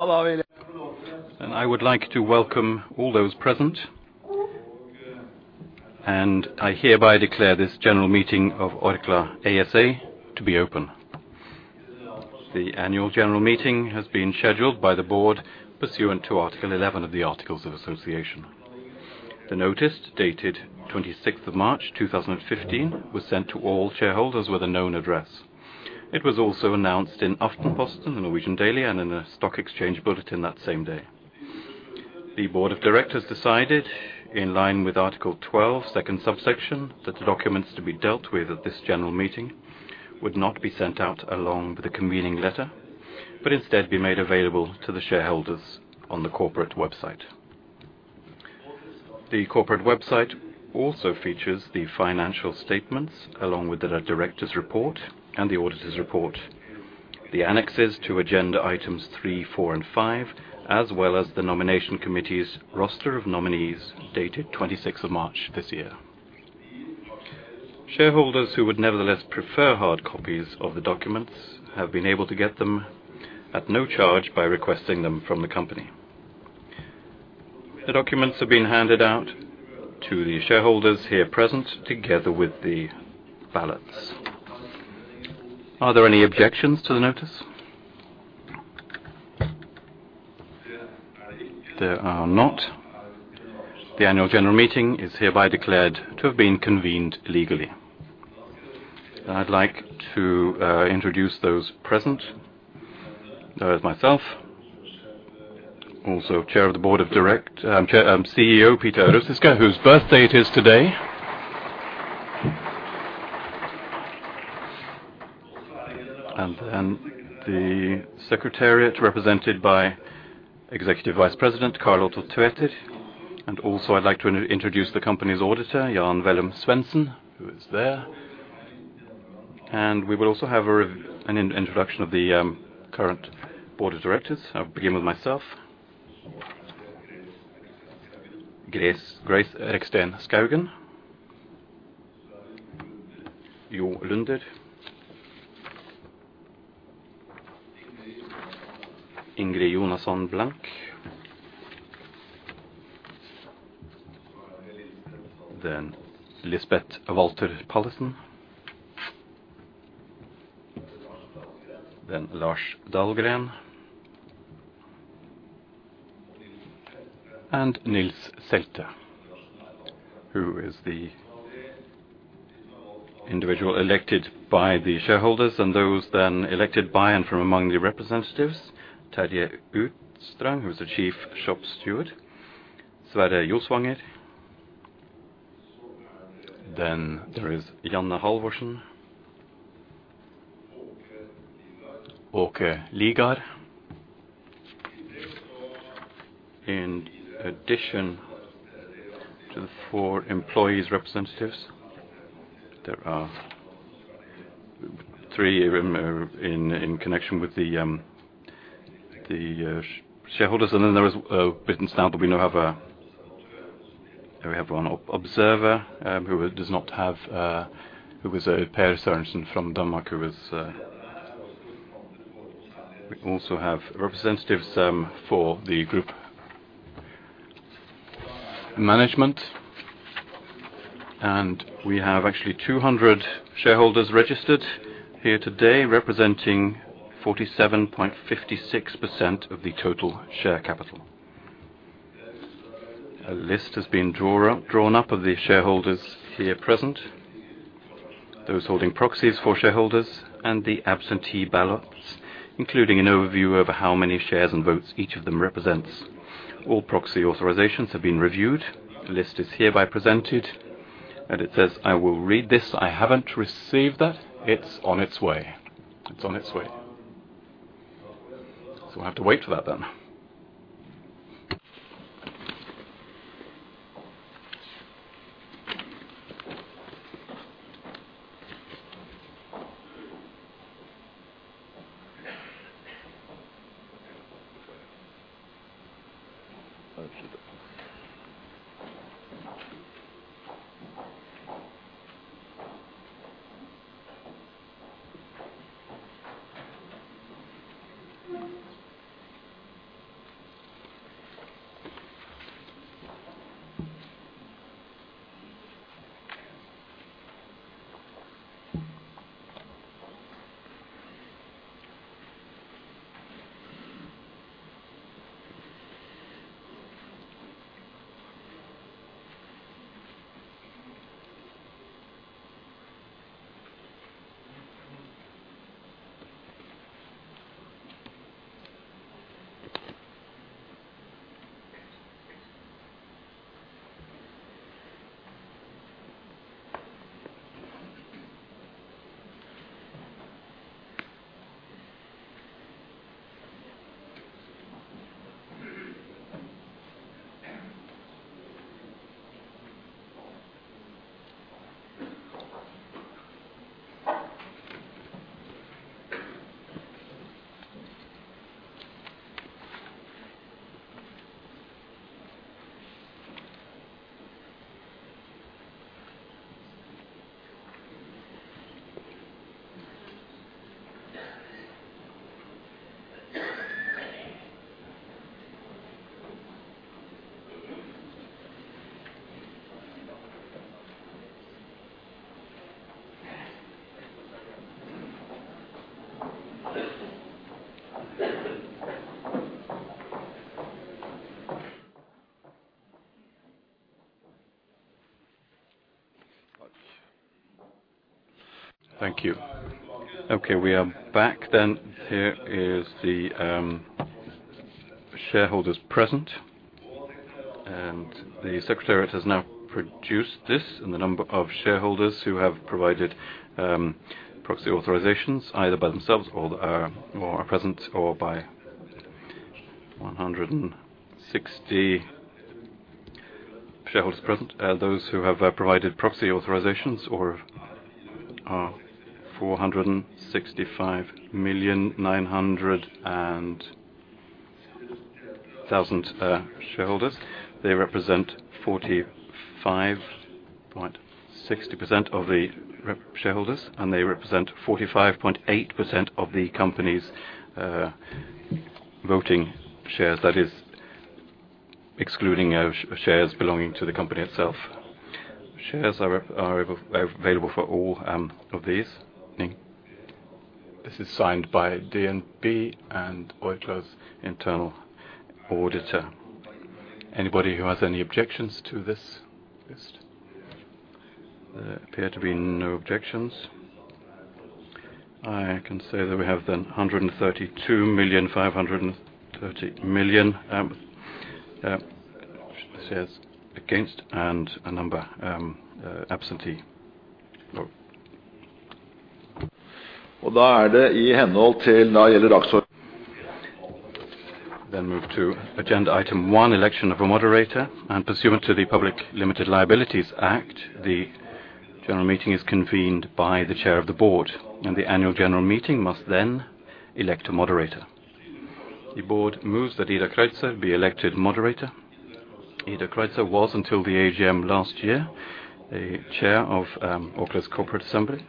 I would like to welcome all those present, and I hereby declare this general meeting of Orkla ASA to be open. The annual general meeting has been scheduled by the board pursuant to Article eleven of the Articles of Association. The notice, dated twenty-sixth of March, two thousand and fifteen, was sent to all shareholders with a known address. It was also announced in Aftenposten, the Norwegian daily, and in a stock exchange bulletin that same day. The board of directors decided, in line with Article twelve, second subsection, that the documents to be dealt with at this general meeting would not be sent out along with the convening letter, but instead be made available to the shareholders on the corporate website. The corporate website also features the financial statements, along with the Directors' Report and the auditor's report, the annexes to agenda items three, four, and five, as well as the nomination committee's roster of nominees, dated 26th March this year. Shareholders who would nevertheless prefer hard copies of the documents have been able to get them at no charge by requesting them from the company. The documents have been handed out to the shareholders here present, together with the ballots. Are there any objections to the notice? There are not. The annual general meeting is hereby declared to have been convened legally. I'd like to introduce those present. There is myself, also Chair of the Board of Directors, CEO Peter Ruzicka, whose birthday it is today. And then the secretariat, represented by Executive Vice President Karl Otto Tveter. Also, I'd like to introduce the company's auditor, Jan Veum, who is there. We will also have an introduction of the current board of directors. I'll begin with myself. Grace Reksten Skaugen, Jo Lunder, Ingrid Jonasson Blank, then Lisbeth Valther Pallesen, then Lars Dahlgren, and Nils Selte, who is the individual elected by the shareholders, and those then elected by and from among the representatives. Terje Utstrand, who is the Chief Shop Steward. Sverre Josvanger, then there is [Jan Halvorsen], [Åke Liung]. In addition to the four employees representatives, there are three of them in connection with the shareholders. Then there is Britt-Ann Stoud, but we now have one observer who does not have. Who is Peer Sørensen from Denmark, who is. We also have representatives for the group management, and we have actually 200 shareholders registered here today, representing 47.56% of the total share capital. A list has been drawn up of the shareholders here present, those holding proxies for shareholders and the absentee ballots, including an overview of how many shares and votes each of them represents. All proxy authorizations have been reviewed. The list is hereby presented, and it says, "I will read this. I haven't received that. It's on its way." So we'll have to wait for that then. Thank you. Okay, we are back then. Here is the shareholders present, and the secretariat has now produced this, and the number of shareholders who have provided proxy authorizations, either by themselves or are present, or by 160 shareholders present. Those who have provided proxy authorizations or are 465.9 million shareholders. They represent 45.60% of the represented shareholders, and they represent 45.8% of the company's voting shares. That is excluding shares belonging to the company itself. Shares are available for all of these. This is signed by DNB and Orkla's internal auditor. Anybody who has any objections to this list? There appear to be no objections. I can say that we have then 132 million, 530 million shares against and a number absentee. Then move to agenda item one, election of a moderator, and pursuant to the Public Limited Liability Companies Act, the general meeting is convened by the chair of the board, and the annual general meeting must then elect a moderator. The board moves that Idar Kreutzer be elected moderator. Idar Kreutzer was, until the AGM last year, a chair of Orkla's Corporate Assembly,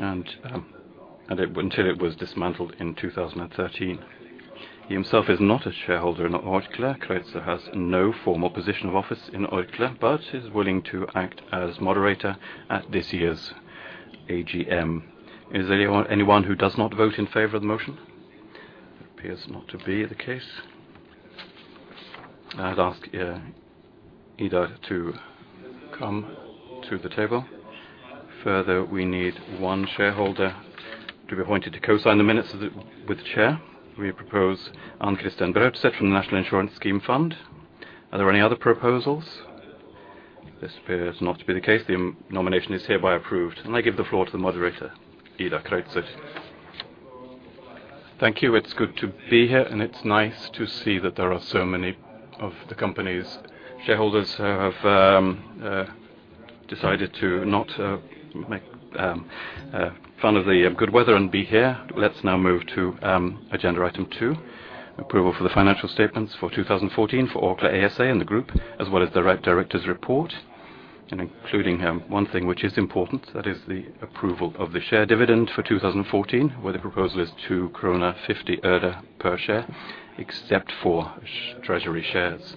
and until it was dismantled in 2013. He himself is not a shareholder in Orkla. Kreutzer has no formal position of office in Orkla, but is willing to act as moderator at this year's AGM. Is there anyone who does not vote in favor of the motion? Appears not to be the case. I'd ask Idar to come to the table. Further, we need one shareholder to be appointed to co-sign the minutes of the-- with the chair. We propose Ann-Kristin Brække from the National Insurance Scheme Fund. Are there any other proposals? This appears not to be the case. The nomination is hereby approved, and I give the floor to the moderator, Idar Kreutzer. Thank you. It's good to be here, and it's nice to see that there are so many of the company's shareholders who have decided to not make fun of the good weather and be here. Let's now move to agenda item two, approval for the financial statements for 2014 for Orkla ASA and the group, as well as the Board of Directors' report, and including one thing which is important, that is the approval of the share dividend for 2014, where the proposal is to 2.50 per share, except for treasury shares.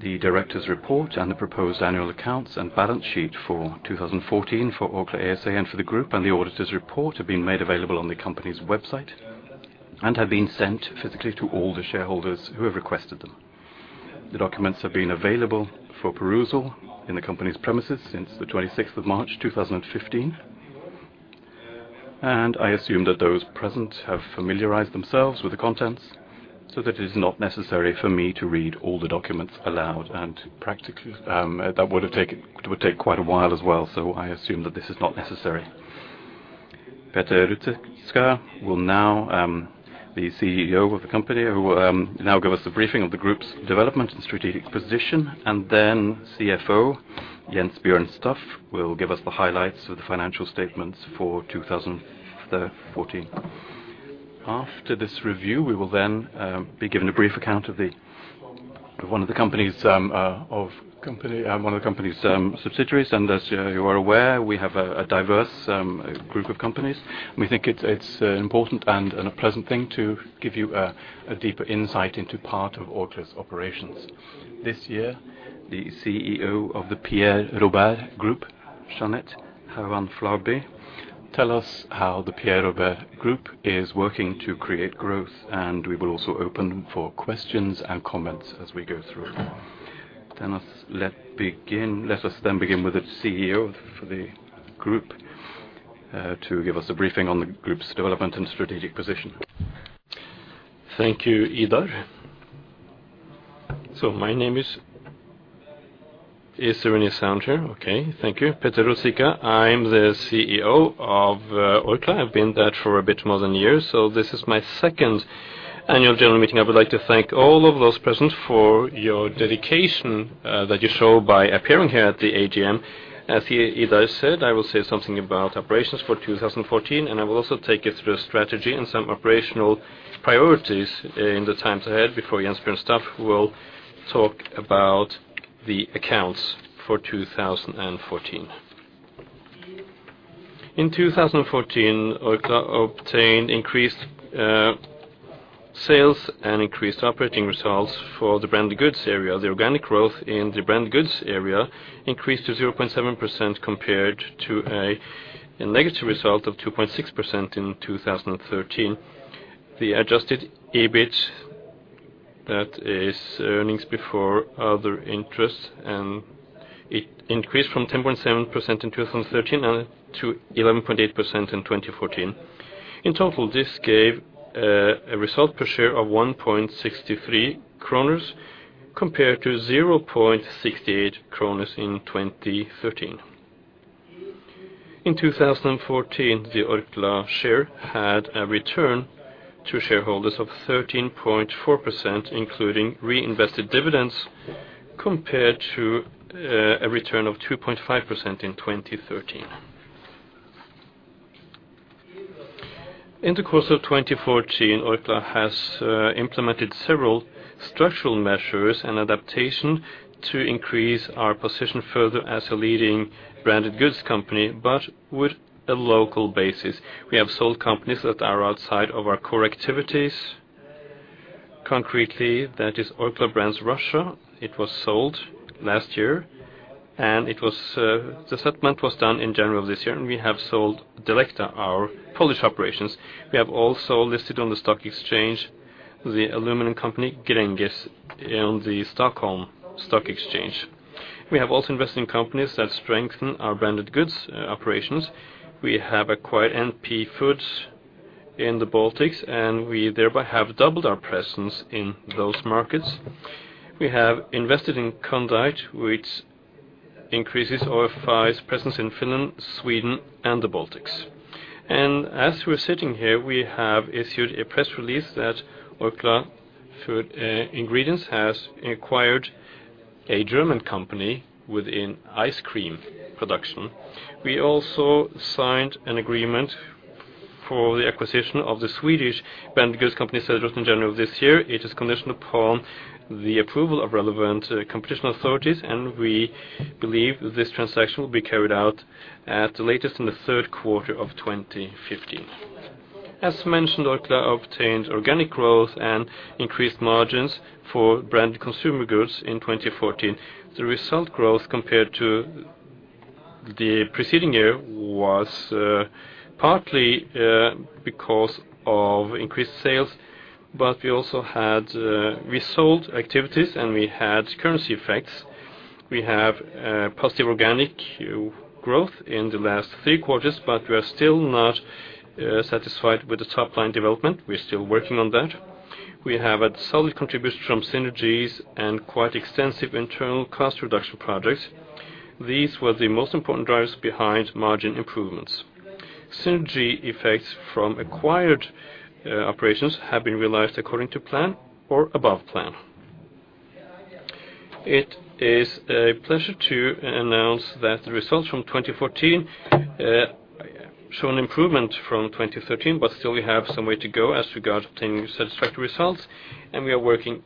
The director's report and the proposed annual accounts and balance sheet for 2014 for Orkla ASA and for the group, and the auditor's report have been made available on the company's website, and have been sent physically to all the shareholders who have requested them. The documents have been available for perusal in the company's premises since the twenty-sixth of March, two thousand and fifteen. I assume that those present have familiarized themselves with the contents, so that it is not necessary for me to read all the documents aloud. Practically, it would take quite a while as well, so I assume that this is not necessary. Peter Ruzicka will now, the CEO of the company, who will now give us a briefing of the group's development and strategic position, and then CFO, Jens Bjørn Staff, will give us the highlights of the financial statements for 2014. After this review, we will then be given a brief account of one of the company's subsidiaries. As you are aware, we have a diverse group of companies. We think it's important and a pleasant thing to give you a deeper insight into part of Orkla's operations. This year, the CEO of the Pierre Robert Group, Jeanette Hauan Fladby, tell us how the Pierre Robert Group is working to create growth, and we will also open for questions and comments as we go through. Let us then begin with the CEO for the group to give us a briefing on the group's development and strategic position. Thank you, Idar. So my name is... Is there any sound here? Okay, thank you. Peter Ruzicka, I'm the CEO of Orkla. I've been that for a bit more than a year, so this is my second annual general meeting. I would like to thank all of those present for your dedication that you show by appearing here at the AGM. As Idar said, I will say something about operations for two thousand and fourteen, and I will also take you through the strategy and some operational priorities in the times ahead, before Jens Bjørn Staff will talk about the accounts for two thousand and fourteen. In two thousand and fourteen, Orkla obtained increased sales and increased operating results for the branded goods area. The organic growth in the branded goods area increased to 0.7% compared to a negative result of 2.6% in 2013. The Adjusted EBIT, that is earnings before other interests, and it increased from 10.7% in 2013 to 11.8% in 2014. In total, this gave a result per share of 1.63 kroner compared to 0.68 kroner in 2013. In 2014, the Orkla share had a return to shareholders of 13.4%, including reinvested dividends, compared to a return of 2.5% in 2013. In the course of 2014, Orkla has implemented several structural measures and adaptation to increase our position further as a leading branded goods company, but with a local basis. We have sold companies that are outside of our core activities. Concretely, that is Orkla Brands Russia. It was sold last year, and it was, the settlement was done in January of this year, and we have sold Delecta, our Polish operations. We have also listed on the stock exchange, the aluminum company, Gränges, in the Stockholm Stock Exchange. We have also invested in companies that strengthen our branded goods, operations. We have acquired NP Foods in the Baltics, and we thereby have doubled our presence in those markets. We have invested in Condite, which increases Orkla's presence in Finland, Sweden, and the Baltics. And as we're sitting here, we have issued a press release that Orkla Food Ingredients has acquired a German company within ice cream production. We also signed an agreement for the acquisition of the Swedish branded goods company, that was in January of this year. It is conditioned upon the approval of relevant competition authorities, and we believe this transaction will be carried out at the latest in the third quarter of 2015. As mentioned, Orkla obtained organic growth and increased margins for branded consumer goods in 2014. The result growth compared to the preceding year was, partly, because of increased sales, but we also had, we sold activities, and we had currency effects. We have, positive organic growth in the last three quarters, but we are still not, satisfied with the top-line development. We're still working on that. We have a solid contribution from synergies and quite extensive internal cost reduction projects. These were the most important drivers behind margin improvements. Synergy effects from acquired operations have been realized according to plan or above plan. It is a pleasure to announce that the results from 2014 show an improvement from 2013, but still we have some way to go as regard obtaining satisfactory results, and we are working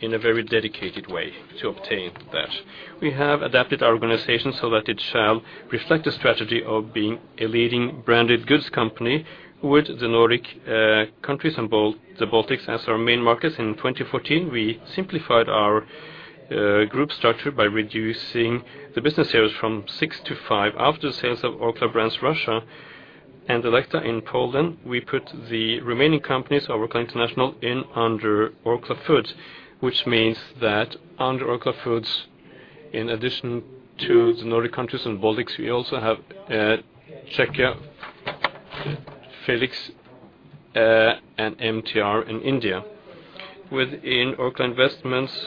in a very dedicated way to obtain that. We have adapted our organization so that it shall reflect the strategy of being a leading branded goods company with the Nordic countries and the Baltics as our main markets. In 2014, we simplified our group structure by reducing the business areas from six to five. After the sales of Orkla Brands Russia, and Delecta in Poland, we put the remaining companies of Orkla International in under Orkla Foods, which means that under Orkla Foods, in addition to the Nordic countries and Baltics, we also have Czechia, Felix, and MTR in India. Within Orkla Investments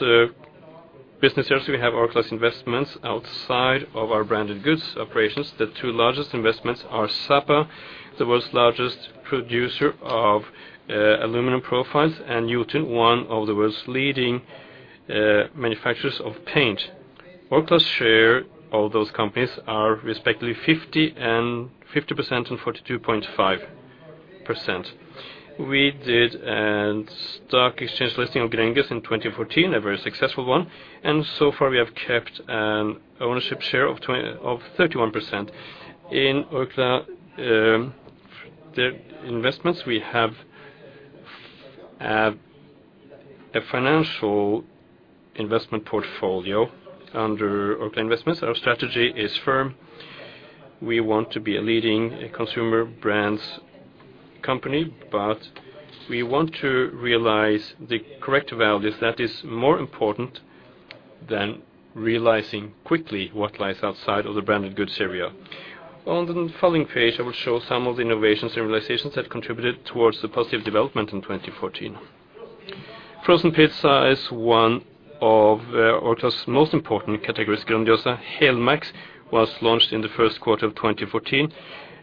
businesses, we have Orkla's investments outside of our branded goods operations. The two largest investments are Sapa, the world's largest producer of aluminum profiles, and Jotun, one of the world's leading manufacturers of paint. Orkla's share of those companies are respectively 50% and 42.5%. We did a stock exchange listing of Gränges in 2014, a very successful one, and so far we have kept an ownership share of 31%. In Orkla investments, we have a financial investment portfolio under Orkla Investments. Our strategy is firm. We want to be a leading consumer brands company, but we want to realize the correct values that is more important than realizing quickly what lies outside of the branded goods area. On the following page, I will show some of the innovations and realizations that contributed towards the positive development in twenty fourteen. Frozen pizza is one of Orkla's most important categories, Grandiosa Helmax was launched in the Q1 of 2014,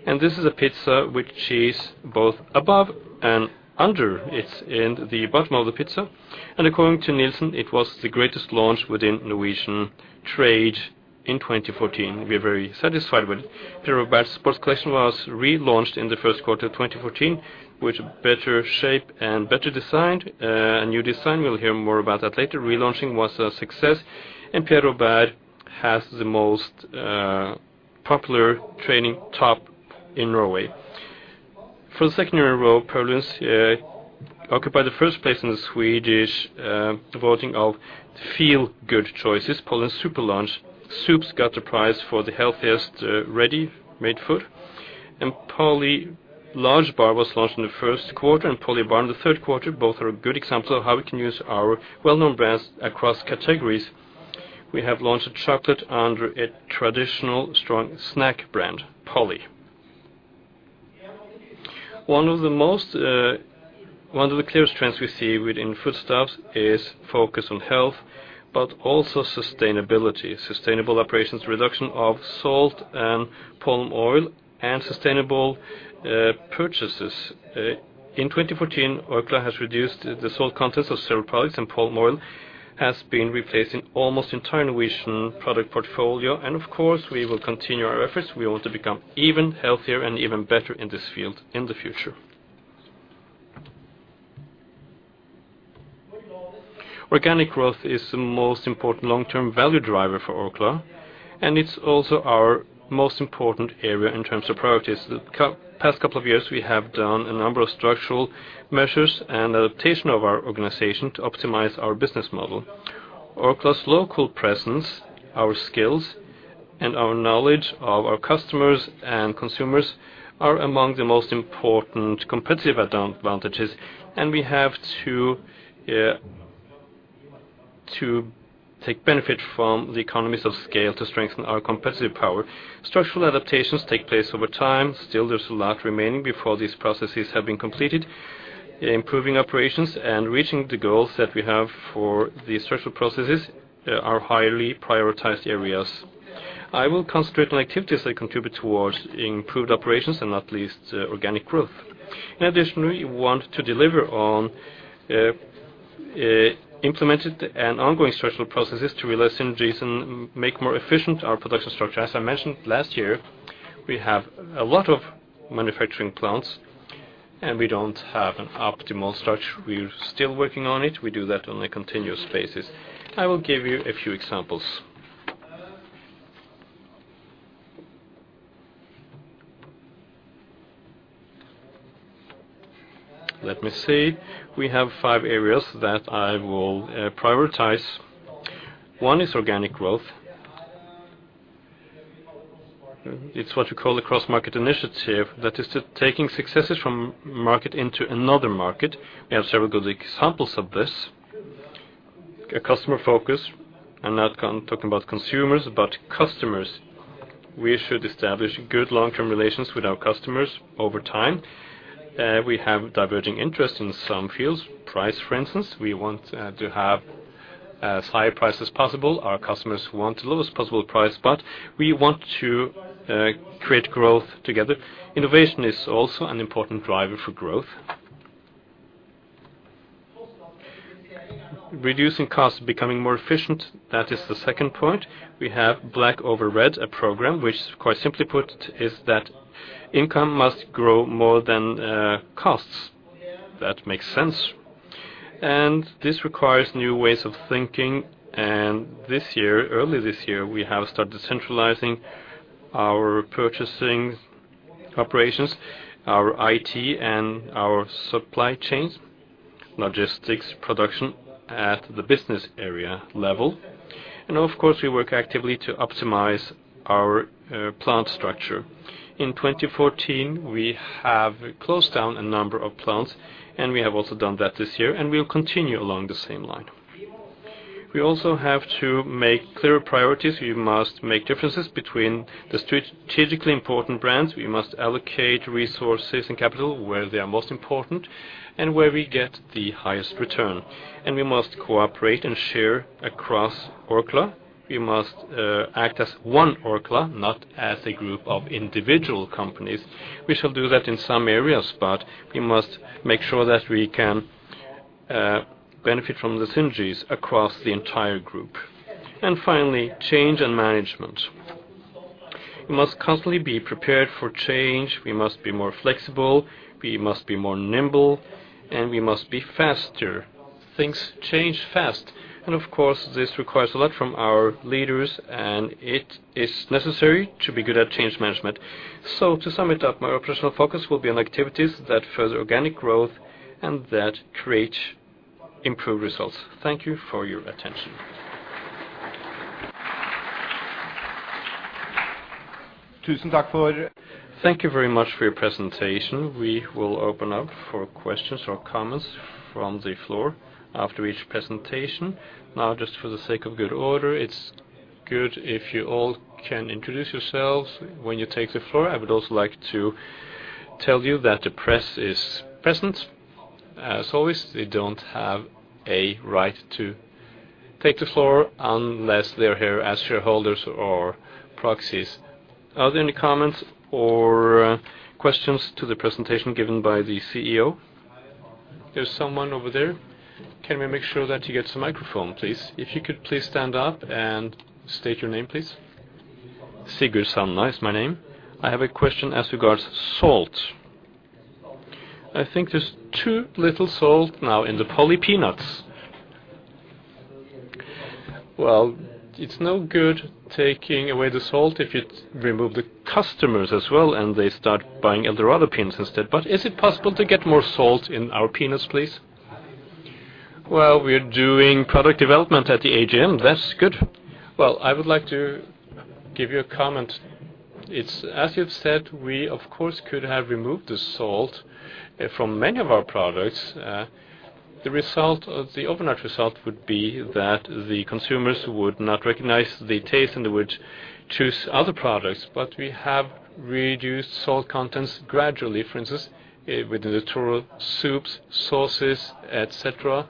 and this is a pizza which is both above and under it, in the bottom of the pizza. According to Nielsen, it was the greatest launch within Norwegian trade in twenty fourteen. We are very satisfied with it. Pierre Robert Sports Collection was relaunched in the first quarter of 2014, which better shape and better design, a new design. We'll hear more about that later. Relaunching was a success, and Pierre Robert has the most popular training top in Norway. For the second year in a row, Paulúns occupied the first place in the Swedish voting of Feel-Good Choices. Paulúns Superlunch Soups got the prize for the healthiest ready-made food. And Polly Lunsjbar was launched in the first quarter, and Polly Bar in the third quarter. Both are good examples of how we can use our well-known brands across categories. We have launched a chocolate under a traditional strong snack brand, Polly. One of the most, one of the clear trends we see within foodstuff is focus on health, but also sustainability. Sustainable operations, reduction of salt and palm oil, and sustainable purchases. In 2014, Orkla has reduced the salt contents of several products, and palm oil has been replaced in almost entire Norwegian product portfolio, and of course, we will continue our efforts. We want to become even healthier and even better in this field in the future. Organic growth is the most important long-term value driver for Orkla, and it's also our most important area in terms of priorities. The past couple of years, we have done a number of structural measures and adaptation of our organization to optimize our business model. Orkla's local presence, our skills, and our knowledge of our customers and consumers are among the most important competitive advantages, and we have to take benefit from the economies of scale to strengthen our competitive power. Structural adaptations take place over time. Still, there's a lot remaining before these processes have been completed. Improving operations and reaching the goals that we have for the structural processes are highly prioritized areas. I will concentrate on activities that contribute towards improved operations and not least, organic growth. In addition, we want to deliver on implemented and ongoing structural processes to realize synergies and make more efficient our production structure. As I mentioned last year, we have a lot of manufacturing plants, and we don't have an optimal structure. We're still working on it. We do that on a continuous basis. I will give you a few examples. Let me see. We have five areas that I will prioritize. One is organic growth. It's what you call a cross-market initiative, that is to taking successes from market into another market. We have several good examples of this. A customer focus, I'm not talking about consumers, but customers. We should establish good long-term relations with our customers over time. We have diverging interests in some fields, price, for instance. We want to have as high a price as possible. Our customers want the lowest possible price, but we want to create growth together. Innovation is also an important driver for growth. Reducing costs, becoming more efficient, that is the second point. We have Black Over Red, a program which, quite simply put, is that income must grow more than costs. That makes sense. This requires new ways of thinking, and this year, early this year, we have started centralizing our purchasing operations, our IT, and our supply chains, logistics, production at the business area level. Of course, we work actively to optimize our plant structure. In twenty fourteen, we have closed down a number of plants, and we have also done that this year, and we will continue along the same line. We also have to make clear priorities. We must make differences between the strategically important brands. We must allocate resources and capital where they are most important and where we get the highest return. And we must cooperate and share across Orkla. We must act as one Orkla, not as a group of individual companies. We shall do that in some areas, but we must make sure that we can benefit from the synergies across the entire group. And finally, change in management. We must constantly be prepared for change. We must be more flexible, we must be more nimble, and we must be faster. Things change fast, and of course, this requires a lot from our leaders, and it is necessary to be good at change management. So to sum it up, my operational focus will be on activities that further organic growth and that create improved results. Thank you for your attention. Thank you very much for your presentation. We will open up for questions or comments from the floor after each presentation. Now, just for the sake of good order, it's good if you all can introduce yourselves when you take the floor. I would also like to tell you that the press is present. As always, they don't have a right to take the floor unless they're here as shareholders or proxies. Are there any comments or questions to the presentation given by the CEO?... There's someone over there. Can we make sure that he gets a microphone, please? If you could please stand up and state your name, please. Sigurd Sandnes is my name. I have a question as regards salt. I think there's too little salt now in the Polly Peanuts. Well, it's no good taking away the salt if you remove the customers as well, and they start buying other peanuts instead. But is it possible to get more salt in our peanuts, please? Well, we are doing product development at the AGM. That's good. Well, I would like to give you a comment. It's as you've said, we, of course, could have removed the salt from many of our products. The overnight result would be that the consumers would not recognize the taste, and they would choose other products. But we have reduced salt contents gradually, for instance, with the natural soups, sauces, et cetera.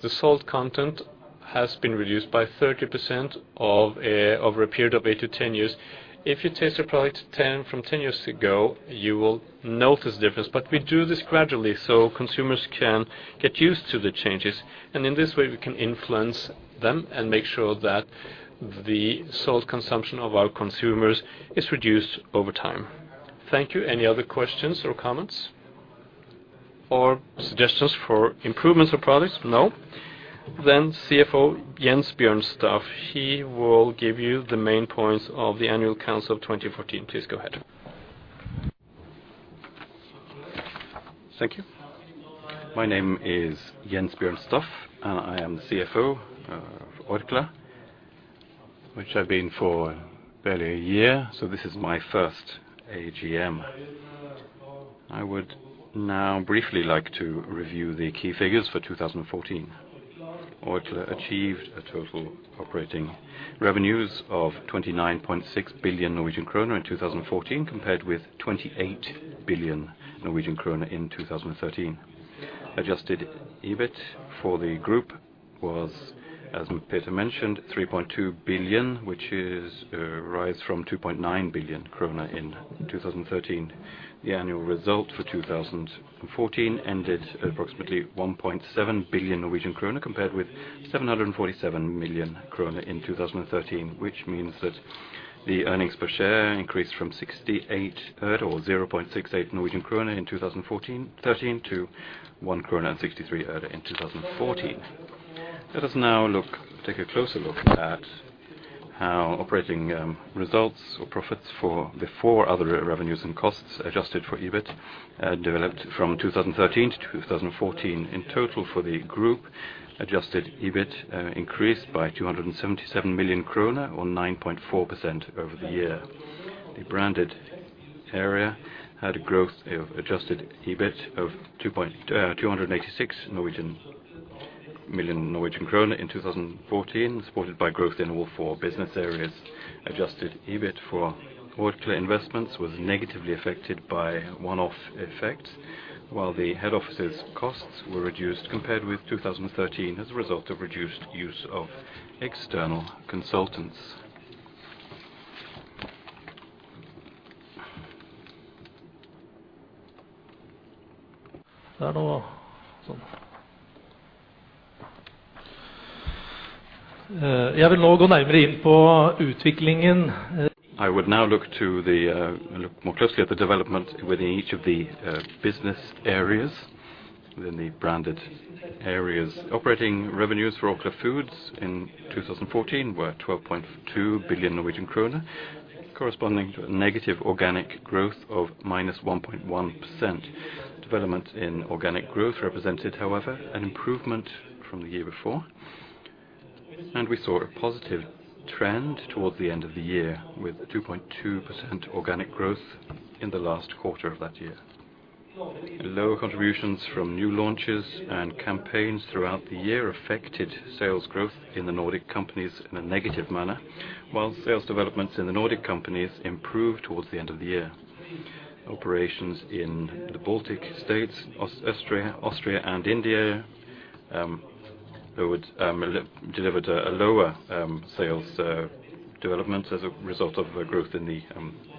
The salt content has been reduced by 30% of over a period of 8-10 years. If you taste a product from ten years ago, you will notice the difference. But we do this gradually, so consumers can get used to the changes, and in this way, we can influence them and make sure that the salt consumption of our consumers is reduced over time. Thank you. Any other questions or comments? Or suggestions for improvements or products? No. Then CFO Jens Bjørn Staff will give you the main points of the annual report of 2014. Please, go ahead. Thank you. My name is Jens Bjørn Staff, and I am the CFO of Orkla, which I've been for barely a year, so this is my first AGM. I would now briefly like to review the key figures for 2014. Orkla achieved total operating revenues of 29.6 billion Norwegian kroner in 2014, compared with 28 billion Norwegian kroner in 2013. Adjusted EBIT for the group was, as Peter mentioned, 3.2 billion NOK, which is a rise from 2.9 billion krone in 2013. The annual result for 2014 ended at approximately 1.7 billion Norwegian krone, compared with 747 million krone in 2013, which means that the earnings per share increased from 68 øre or 0.68 Norwegian kroner in 2013 to 1.63 kroner in 2014. Let us now take a closer look at how operating results or profits for the other revenues and costs adjusted for EBIT developed from 2013-2014. In total, for the group, adjusted EBIT increased by 277 million kroner, or 9.4% over the year. The branded area had a growth of adjusted EBIT of 286 million Norwegian krone in 2014, supported by growth in all four business areas. Adjusted EBIT for Orkla Investments was negatively affected by one-off effects, while the head office's costs were reduced compared with 2013 as a result of reduced use of external consultants. There you go. So, I will now go nearer into development. I would now look more closely at the development within each of the business areas, within the branded areas. Operating revenues for Orkla Foods in 2014 were 12.2 billion Norwegian kroner, corresponding to a negative organic growth of -1.1%. Development in organic growth represented, however, an improvement from the year before, and we saw a positive trend towards the end of the year, with a 2.2% organic growth in the last quarter of that year. Lower contributions from new launches and campaigns throughout the year affected sales growth in the Nordic companies in a negative manner, while sales developments in the Nordic companies improved towards the end of the year. Operations in the Baltic States, Austria, and India would deliver a lower sales development as a result of a growth in the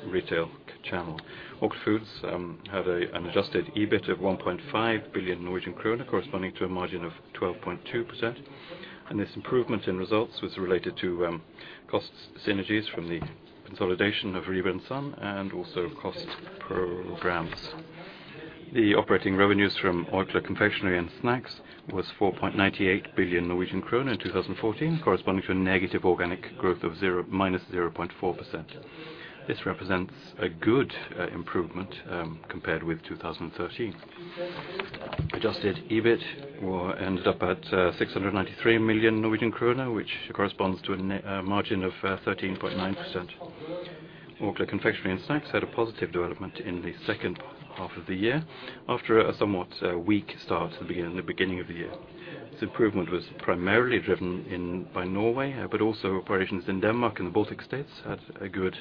retail channel. Orkla Foods had an adjusted EBIT of 1.5 billion Norwegian krone, corresponding to a margin of 12.2%, and this improvement in results was related to cost synergies from the consolidation of Rieber & Søn and also cost programs. The operating revenues from Orkla Confectionery & Snacks was 4.98 billion Norwegian kroner in 2014, corresponding to a negative organic growth of minus 0.4%. This represents a good improvement compared with 2013. Adjusted EBIT were ended up at 693 million Norwegian kroner, which corresponds to a net margin of 13.9%. Orkla Confectionery and Snacks had a positive development in the second half of the year, after a somewhat weak start at the beginning of the year. This improvement was primarily driven in by Norway, but also operations in Denmark and the Baltic States had a good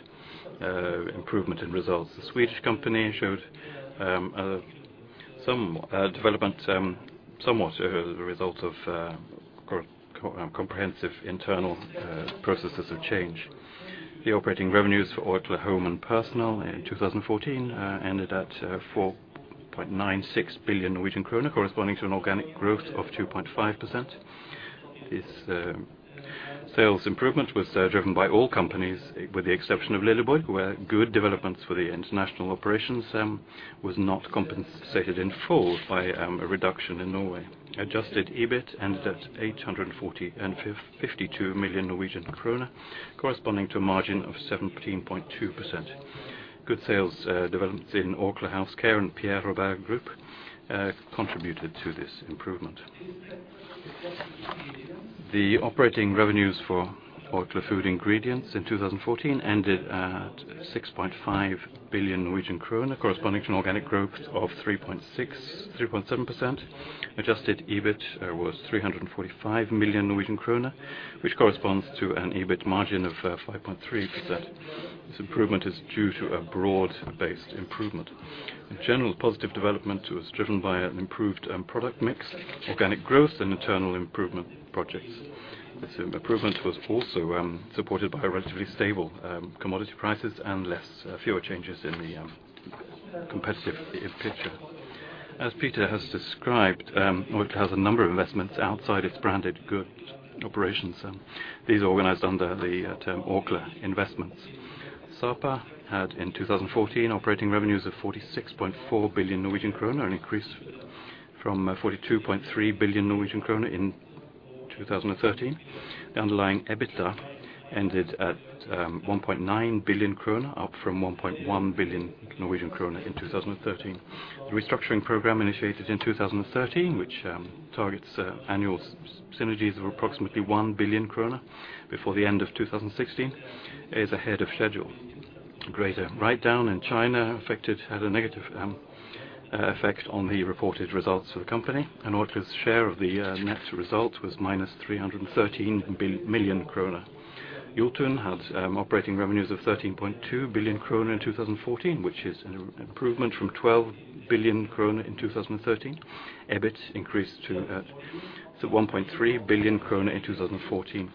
improvement in results. The Swedish company showed some development somewhat as a result of comprehensive internal processes of change. The operating revenues for Orkla Home & Personal in 2014 ended at 4.96 billion Norwegian krone, corresponding to an organic growth of 2.5%. This sales improvement was driven by all companies, with the exception of Lilleborg, where good developments for the international operations was not compensated in full by a reduction in Norway. Adjusted EBIT ended at 845.2 million Norwegian kroner, corresponding to a margin of 17.2%. Good sales developments in Orkla House Care and Pierre Robert Group contributed to this improvement. The operating revenues for Orkla Food Ingredients in 2014 ended at 6.5 billion Norwegian krone, corresponding to an organic growth of 3.6-3.7%. Adjusted EBIT was 345 million Norwegian kroner, which corresponds to an EBIT margin of 5.3%. This improvement is due to a broad-based improvement. In general, positive development was driven by an improved product mix, organic growth, and internal improvement projects. This improvement was also supported by relatively stable commodity prices and less fewer changes in the competitive picture. As Peter has described, Orkla has a number of investments outside its branded good operations, these are organized under the term Orkla Investments. Sapa had, in 2014, operating revenues of 46.4 billion Norwegian krone, an increase from 42.3 billion Norwegian krone in 2013. The underlying EBITDA ended at 1.9 billion kroner, up from 1.1 billion Norwegian kroner in 2013. The restructuring program, initiated in 2013, which targets annual synergies of approximately 1 billion krone before the end of 2016, is ahead of schedule. Greater write-down in China had a negative effect on the reported results of the company, and Orkla's share of the net results was -313 million kroner. Jotun had operating revenues of 13.2 billion kroner in 2014, which is an improvement from 12 billion kroner in 2013. EBIT increased to 1.3 billion kroner in 2014.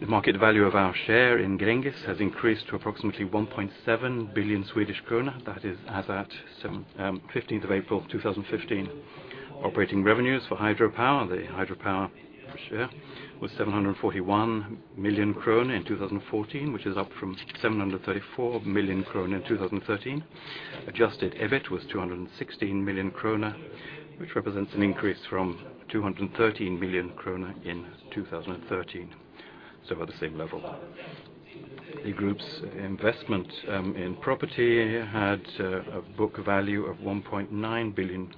The market value of our share in Gränges has increased to approximately 1.7 billion Swedish krona. That is as at fifteenth of April 2015. Operating revenues for Hydro Power, the Hydro Power share, was 741 million krone in 2014, which is up from 734 million krone in 2013. Adjusted EBIT was 216 million krone, which represents an increase from 213 million krone in 2013, so about the same level. The group's investment in property had a book value of 1.9 billion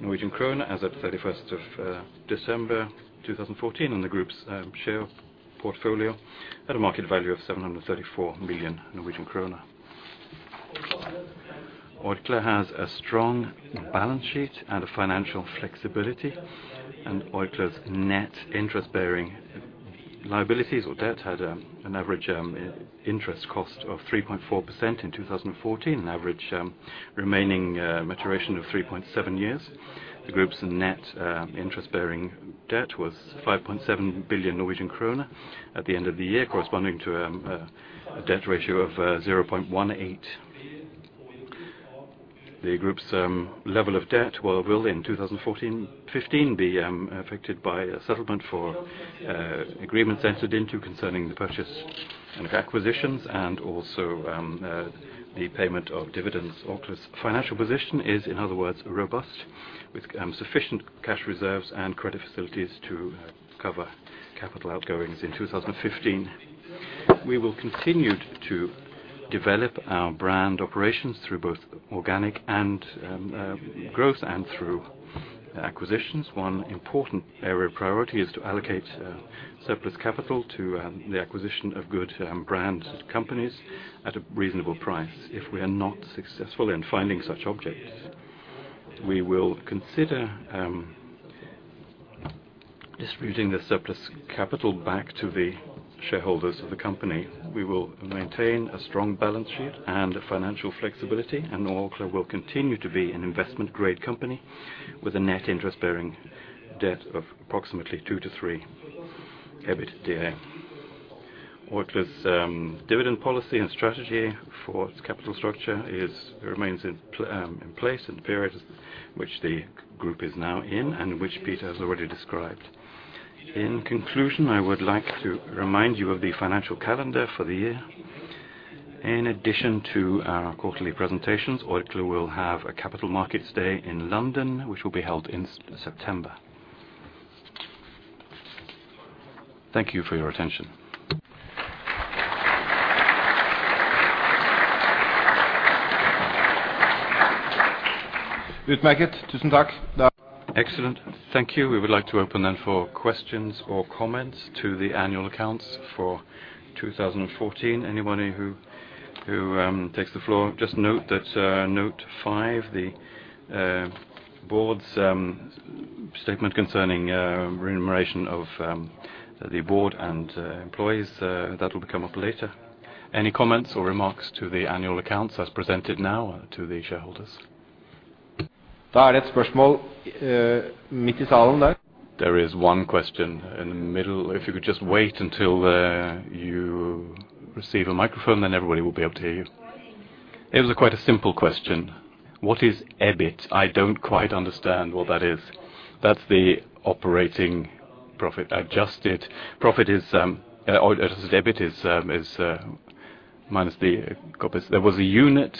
NOK as at thirty-first of December 2014, and the group's share portfolio had a market value of 734 million Norwegian krone. Orkla has a strong balance sheet and a financial flexibility, and Orkla's net interest-bearing liabilities or debt had an average interest cost of 3.4% in 2014, an average remaining maturity of 3.7 years. The group's net interest-bearing debt was 5.7 billion Norwegian krone at the end of the year, corresponding to a debt ratio of 0.18. The group's level of debt will, in 2014/15, be affected by a settlement for agreements entered into concerning the purchase and acquisitions, and also the payment of dividends. Orkla's financial position is, in other words, robust, with sufficient cash reserves and credit facilities to cover capital outgoings in 2015. We will continue to develop our brand operations through both organic and growth and through acquisitions. One important area of priority is to allocate surplus capital to the acquisition of good brand companies at a reasonable price. If we are not successful in finding such objects, we will consider distributing the surplus capital back to the shareholders of the company. We will maintain a strong balance sheet and a financial flexibility, and Orkla will continue to be an investment-grade company with a net interest bearing debt of approximately 2-3 EBITDA. Orkla's dividend policy and strategy for its capital structure remains in place in the period which the group is now in, and which Peter has already described. In conclusion, I would like to remind you of the financial calendar for the year. In addition to our quarterly presentations, Orkla will have a Capital Markets Day in London, which will be held in September. Thank you for your attention. Excellent. Thank you. We would like to open then for questions or comments to the annual accounts for 2014. Anybody who takes the floor, just note that note five, the board's statement concerning remuneration of the board and employees, that will come up later. Any comments or remarks to the annual accounts as presented now to the shareholders? There is a question in the middle in the hall there. There is one question in the middle. If you could just wait until you receive a microphone, then everybody will be able to hear you. It was quite a simple question: What is EBIT? I don't quite understand what that is. That's the operating profit. Adjusted profit is, or EBIT is, minus the costs. There was a unit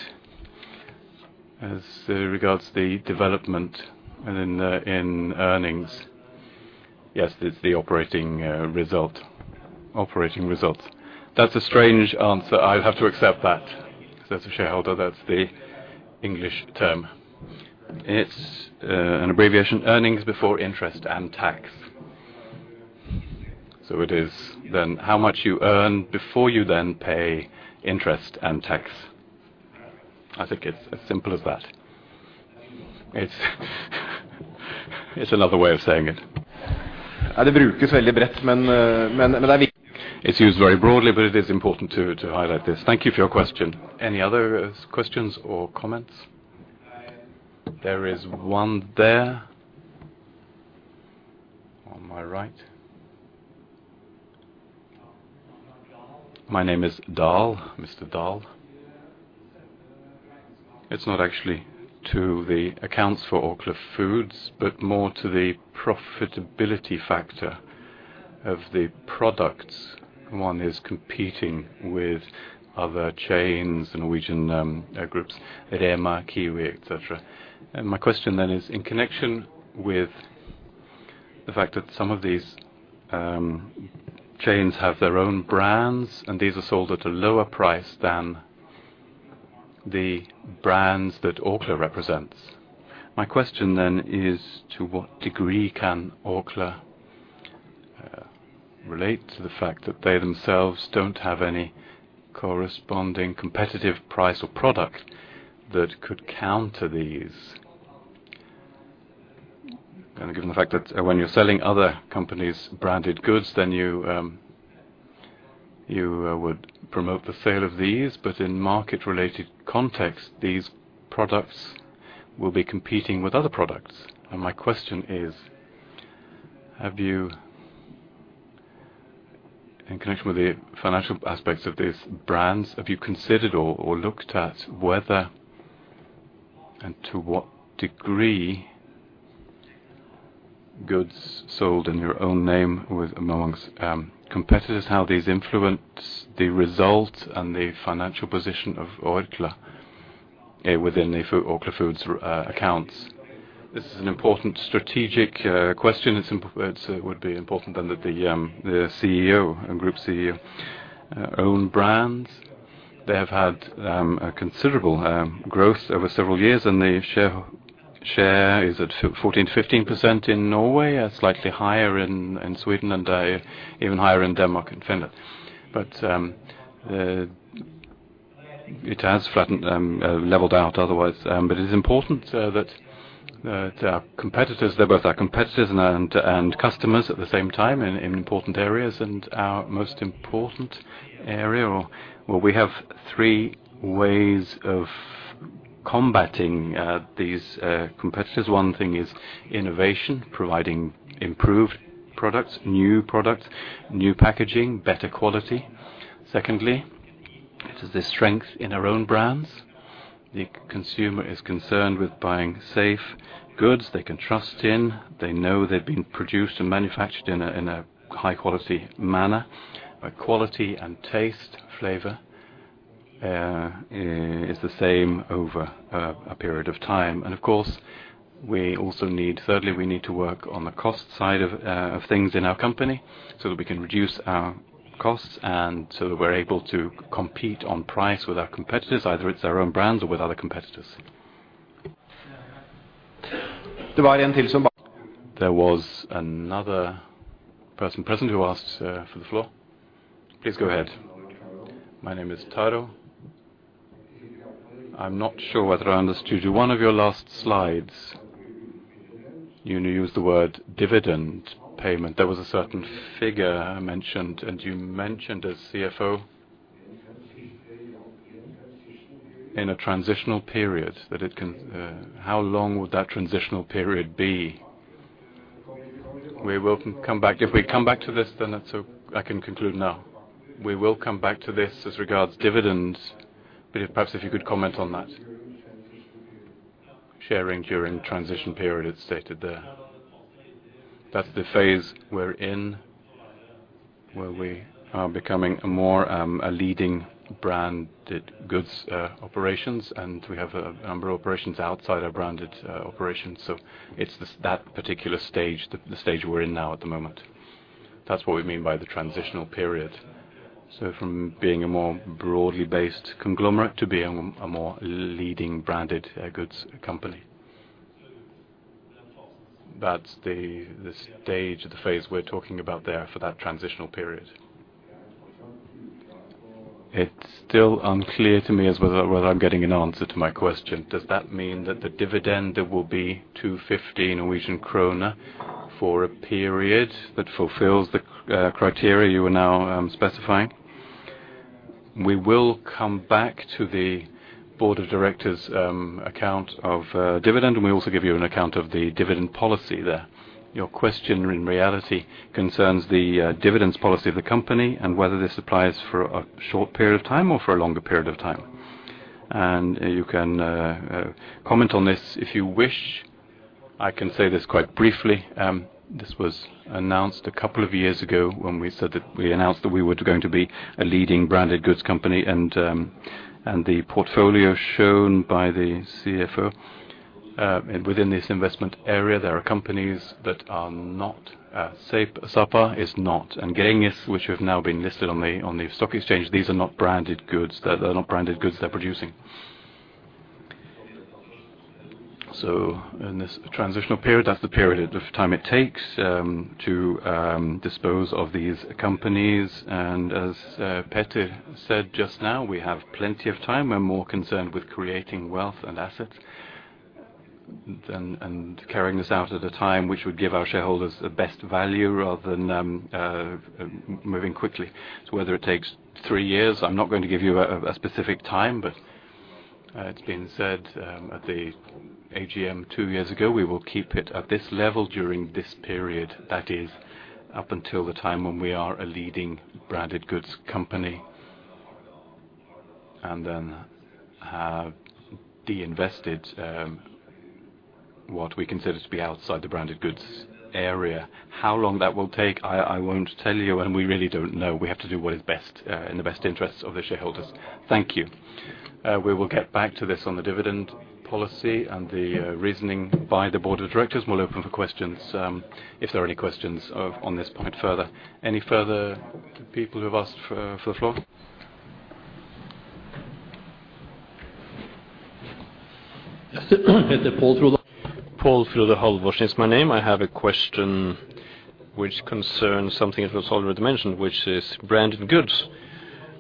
as regards the development and in earnings. Yes, it's the operating result. Operating results. That's a strange answer. I'll have to accept that. As a shareholder, that's the English term. It's an abbreviation, earnings before interest and tax. So it is then how much you earn before you then pay interest and tax. I think it's as simple as that. It's another way of saying it. It's used very broadly, but it is important to highlight this. Thank you for your question. Any other questions or comments? There is one there on my right. My name is Dahl. Mr. Dahl. It's not actually to the accounts for Orkla Foods, but more to the profitability factor of the products. One is competing with other chains, Norwegian groups, Rema, Kiwi, et cetera. And my question then is: In connection with the fact that some of these chains have their own brands, and these are sold at a lower price than the brands that Orkla represents. My question then is, to what degree can Orkla relate to the fact that they themselves don't have any corresponding competitive price or product that could counter these? And given the fact that when you're selling other companies branded goods, then you would promote the sale of these, but in market-related context, these products will be competing with other products. And my question is: Have you... In connection with the financial aspects of these brands, have you considered or looked at whether, and to what degree, goods sold in your own name with among competitors, how these influence the result and the financial position of Orkla within the Orkla Foods accounts? This is an important strategic question. It would be important then that the CEO, group CEO. Own brands, they have had a considerable growth over several years, and the share is at 14%-15% in Norway, slightly higher in Sweden, and even higher in Denmark and Finland. But it has flattened, leveled out otherwise. But it's important that competitors, they're both our competitors and customers at the same time in important areas, and our most important area or... Well, we have three ways of combating these competitors. One thing is innovation, providing improved products, new products, new packaging, better quality. Secondly, it is the strength in our own brands. The consumer is concerned with buying safe goods they can trust in. They know they've been produced and manufactured in a high-quality manner. Quality and taste, flavor is the same over a period of time. And of course, we also need. Thirdly, we need to work on the cost side of things in our company so that we can reduce our costs, and so that we're able to compete on price with our competitors, either it's our own brands or with other competitors. There was another person present who asked for the floor. Please go ahead. My name is Taro. I'm not sure whether I understood. You, one of your last slides, you used the word dividend payment. There was a certain figure mentioned, and you mentioned as CFO in a transitional period, that it can... How long would that transitional period be? We will come back. If we come back to this, then that's so I can conclude now. We will come back to this as regards dividends, but perhaps if you could comment on that. Sharing during transition period, it's stated there. That's the phase we're in, where we are becoming a more, a leading branded goods, operations, and we have a number of operations outside our branded, operations. So it's this, that particular stage, the stage we're in now at the moment. That's what we mean by the transitional period. So from being a more broadly based conglomerate to being a more leading branded, goods company. That's the stage of the phase we're talking about there for that transitional period. It's still unclear to me as whether I'm getting an answer to my question. Does that mean that the dividend will be 215 Norwegian krone for a period that fulfills the criteria you are now specifying? We will come back to the board of directors' account of dividend, and we also give you an account of the dividend policy there. Your question, in reality, concerns the dividends policy of the company, and whether this applies for a short period of time or for a longer period of time, and you can comment on this if you wish. I can say this quite briefly. This was announced a couple of years ago when we said that we announced that we were going to be a leading branded goods company, and the portfolio shown by the CFO. Within this investment area, there are companies that are not safe. Sapa is not, and Gränges, which have now been listed on the stock exchange. These are not branded goods. They're not branded goods they're producing. So in this transitional period, that's the period of time it takes to dispose of these companies. And as Peter said just now, we have plenty of time. We're more concerned with creating wealth and assets than and carrying this out at a time which would give our shareholders the best value, rather than moving quickly. So whether it takes three years, I'm not going to give you a specific time, but it's been said at the AGM two years ago, we will keep it at this level during this period. That is, up until the time when we are a leading branded goods company. And then divested what we consider to be outside the branded goods area. How long that will take? I won't tell you, and we really don't know. We have to do what is best in the best interests of the shareholders. Thank you. We will get back to this on the dividend policy and the reasoning by the board of directors. We'll open for questions, if there are any questions of, on this point further. Any further people who have asked for the floor? It's Paul Trudeau. Paul Trudeau Halvorsen is my name. I have a question which concerns something that was already mentioned, which is branded goods.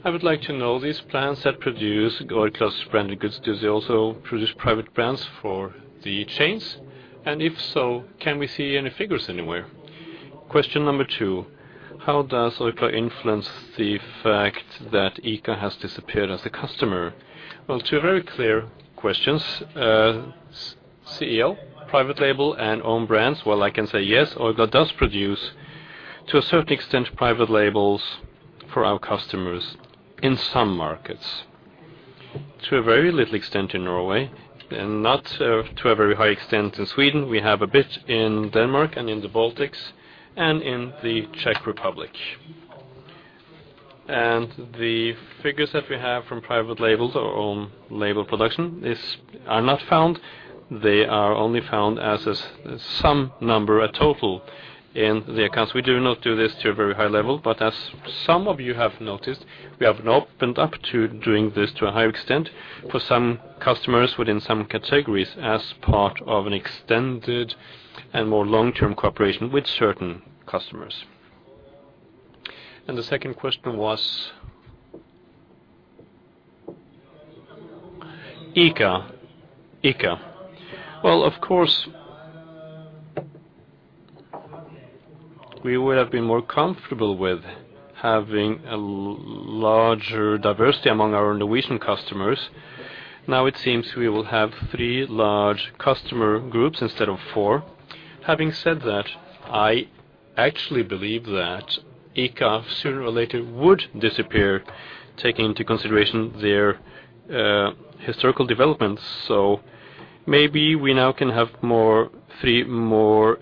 I would like to know, these brands that produce Orkla's branded goods, do they also produce private brands for the chains? And if so, can we see any figures anywhere? Question number two: How does Orkla influence the fact that ICA has disappeared as a customer? Well, two very clear questions. CEO, private label, and own brands. Well, I can say, yes, Orkla does produce, to a certain extent, private labels for our customers in some markets. To a very little extent in Norway, and not, to a very high extent in Sweden. We have a bit in Denmark and in the Baltics, and in the Czech Republic. The figures that we have from private labels or own label production are not found. They are only found as some number, a total in the accounts. We do not do this to a very high level, but as some of you have noticed, we have opened up to doing this to a higher extent for some customers within some categories, as part of an extended and more long-term cooperation with certain customers. The second question was? ICA. ICA. Of course, we would have been more comfortable with having a larger diversity among our Norwegian customers. Now, it seems we will have three large customer groups instead of four. Having said that, I actually believe that ICA, sooner or later, would disappear, taking into consideration their historical developments. Maybe we now can have more, three more.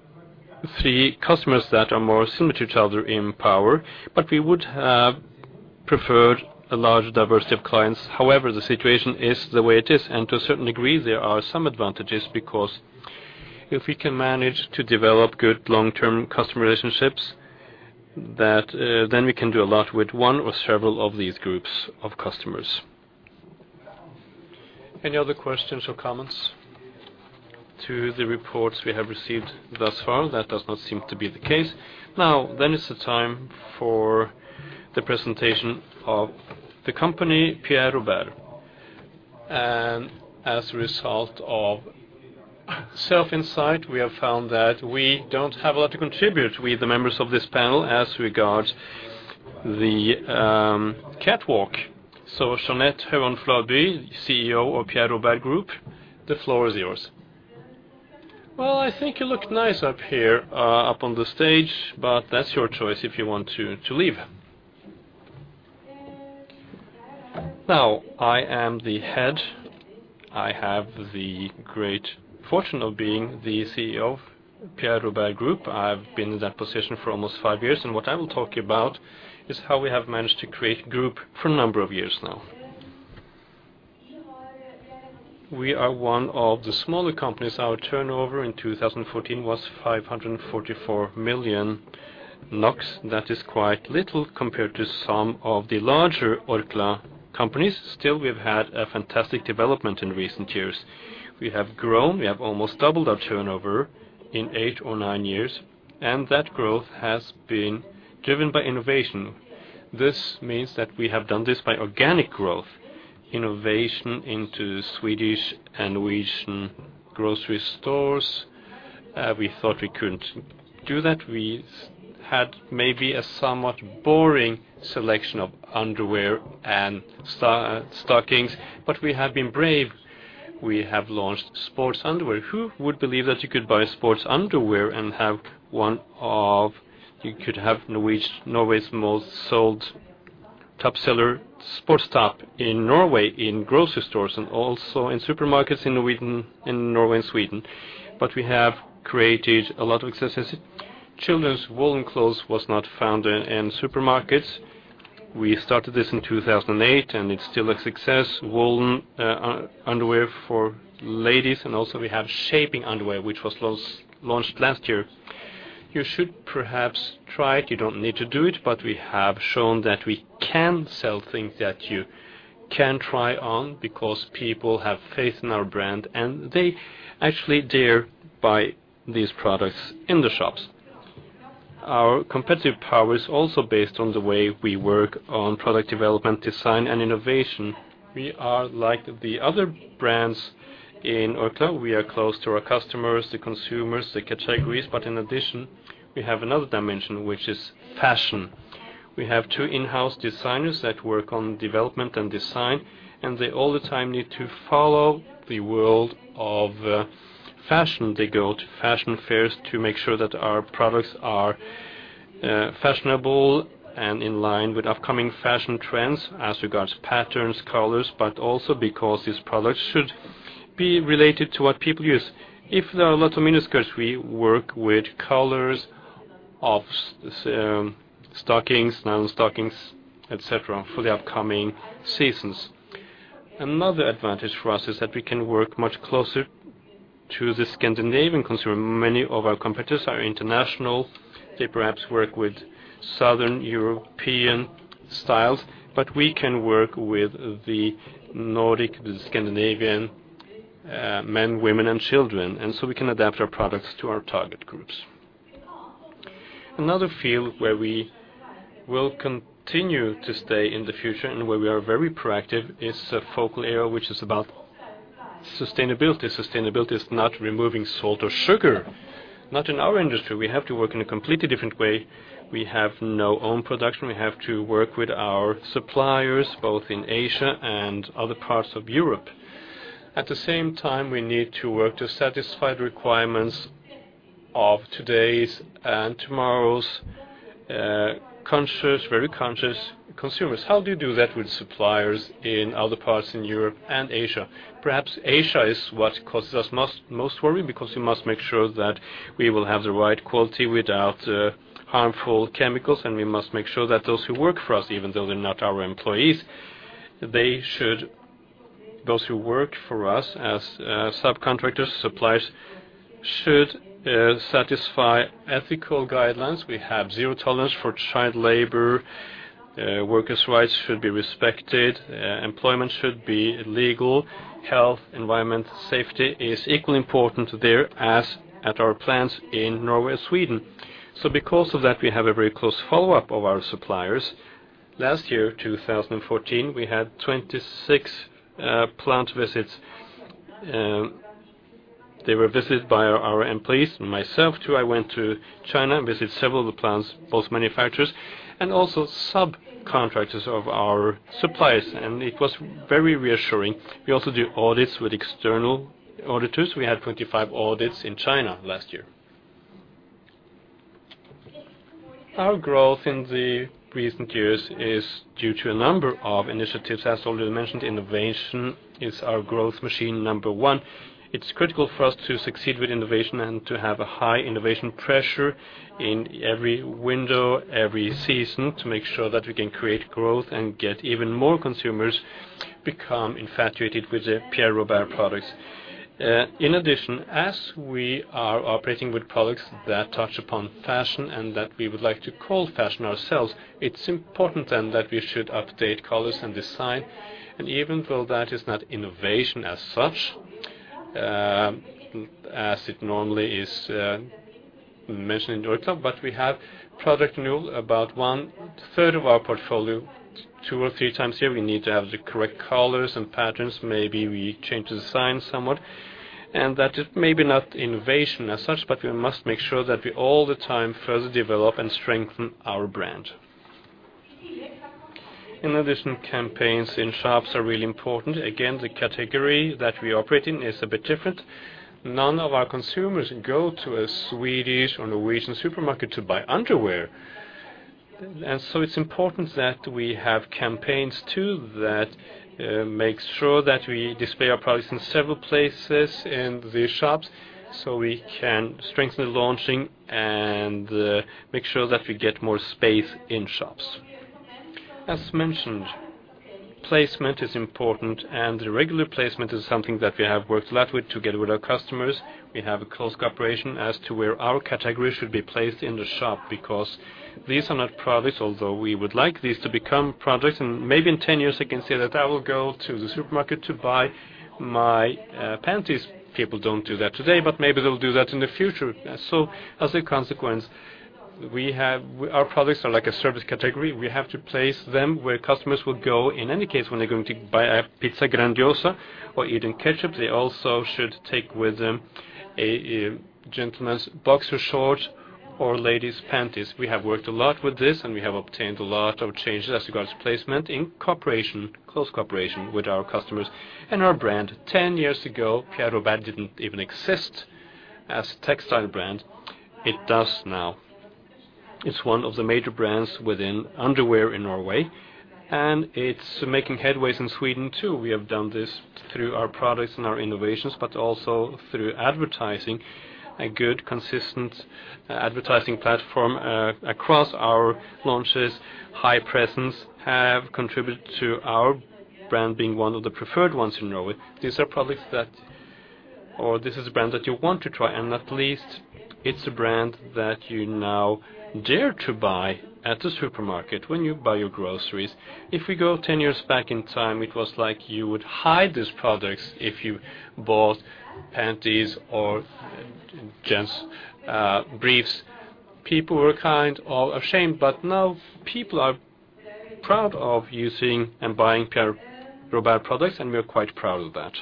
Three customers that are more similar to each other in power, but we would have preferred a larger diversity of clients. However, the situation is the way it is, and to a certain degree, there are some advantages, because if we can manage to develop good long-term customer relationships, that, then we can do a lot with one or several of these groups of customers. Any other questions or comments to the reports we have received thus far? That does not seem to be the case. Now, then it's the time for the presentation of the company, Pierre Robert. And as a result of self-insight, we have found that we don't have a lot to contribute. We, the members of this panel, as regards the catwalk. So Jeanette Hauan Fladby, CEO of Pierre Robert Group, the floor is yours. I think you look nice up here, up on the stage, but that's your choice if you want to leave. Now, I am the head. I have the great fortune of being the CEO of Pierre Robert Group. I've been in that position for almost five years, and what I will talk about is how we have managed to create the group for a number of years now. We are one of the smaller companies. Our turnover in 2014 was 544 million NOK. That is quite little compared to some of the larger Orkla companies. Still, we've had a fantastic development in recent years. We have grown. We have almost doubled our turnover in eight or nine years, and that growth has been driven by innovation. This means that we have done this by organic growth. ... innovation into Swedish and Norwegian grocery stores. We thought we couldn't do that. We had maybe a somewhat boring selection of underwear and stockings, but we have been brave. We have launched sports underwear. Who would believe that you could buy sports underwear and have one of-- You could have Norway's most sold top seller sports top in Norway, in grocery stores, and also in supermarkets in Norway and Sweden. But we have created a lot of successes. Children's woolen clothes was not found in supermarkets. We started this in 2008, and it's still a success. Woolen underwear for ladies, and also we have shaping underwear, which was launched last year. You should perhaps try it. You don't need to do it, but we have shown that we can sell things that you can try on because people have faith in our brand, and they actually dare buy these products in the shops. Our competitive power is also based on the way we work on product development, design, and innovation. We are like the other brands in Orkla. We are close to our customers, the consumers, the categories, but in addition, we have another dimension, which is fashion. We have two in-house designers that work on development and design, and they all the time need to follow the world of, fashion. They go to fashion fairs to make sure that our products are, fashionable and in line with upcoming fashion trends as regards patterns, colors, but also because these products should be related to what people use. If there are a lot of miniskirts, we work with colors of stockings, nylon stockings, et cetera, for the upcoming seasons. Another advantage for us is that we can work much closer to the Scandinavian consumer. Many of our competitors are international. They perhaps work with Southern European styles, but we can work with the Nordic, the Scandinavian, men, women, and children, and so we can adapt our products to our target groups. Another field where we will continue to stay in the future and where we are very proactive is a focal area, which is about sustainability. Sustainability is not removing salt or sugar, not in our industry. We have to work in a completely different way. We have no own production. We have to work with our suppliers, both in Asia and other parts of Europe. At the same time, we need to work to satisfy the requirements of today's and tomorrow's conscious, very conscious consumers. How do you do that with suppliers in other parts in Europe and Asia? Perhaps Asia is what causes us most worry, because we must make sure that we will have the right quality without harmful chemicals, and we must make sure that those who work for us, even though they're not our employees, they should... Those who work for us as subcontractors, suppliers, should satisfy ethical guidelines. We have zero tolerance for child labor. Workers' rights should be respected, employment should be legal. Health, environment, safety is equally important there as at our plants in Norway and Sweden. So because of that, we have a very close follow-up of our suppliers. Last year, two thousand and fourteen, we had twenty-six plant visits. They were visited by our employees and myself, too. I went to China, visited several of the plants, both manufacturers and also subcontractors of our suppliers, and it was very reassuring. We also do audits with external auditors. We had twenty-five audits in China last year. Our growth in the recent years is due to a number of initiatives. As already mentioned, innovation is our growth machine number one. It's critical for us to succeed with innovation and to have a high innovation pressure in every window, every season, to make sure that we can create growth and get even more consumers become infatuated with the Pierre Robert products. In addition, as we are operating with products that touch upon fashion and that we would like to call fashion ourselves, it's important then that we should update colors and design, and even though that is not innovation as such, as it normally is mentioned in Orkla, but we have new products, about one-third of our portfolio, two or three times a year, we need to have the correct colors and patterns. Maybe we change the design somewhat, and that is maybe not innovation as such, but we must make sure that we all the time further develop and strengthen our brand. In addition, campaigns in shops are really important. Again, the category that we operate in is a bit different. None of our consumers go to a Swedish or Norwegian supermarket to buy underwear. And so it's important that we have campaigns, too, that make sure that we display our products in several places in the shops, so we can strengthen the launching and make sure that we get more space in shops. As mentioned, placement is important, and regular placement is something that we have worked a lot with together with our customers. We have a close cooperation as to where our category should be placed in the shop, because these are not products, although we would like these to become products, and maybe in ten years, I can say that I will go to the supermarket to buy my panties. People don't do that today, but maybe they'll do that in the future. So as a consequence, our products are like a service category. We have to place them where customers will go. In any case, when they're going to buy a pizza Grandiosa or even ketchup, they also should take with them a gentleman's boxer short or ladies panties. We have worked a lot with this, and we have obtained a lot of changes as regards to placement in cooperation, close cooperation with our customers and our brand. Ten years ago, Pierre Robert didn't even exist as a textile brand. It does now. It's one of the major brands within underwear in Norway, and it's making headways in Sweden, too. We have done this through our products and our innovations, but also through advertising, a good, consistent advertising platform across our launches. High presence have contributed to our brand being one of the preferred ones in Norway. These are products that or this is a brand that you want to try, and at least it's a brand that you now dare to buy at the supermarket when you buy your groceries. If we go 10 years back in time, it was like you would hide these products if you bought panties or gents briefs. People were kind of ashamed, but now people are proud of using and buying Pierre Robert products, and we are quite proud of that.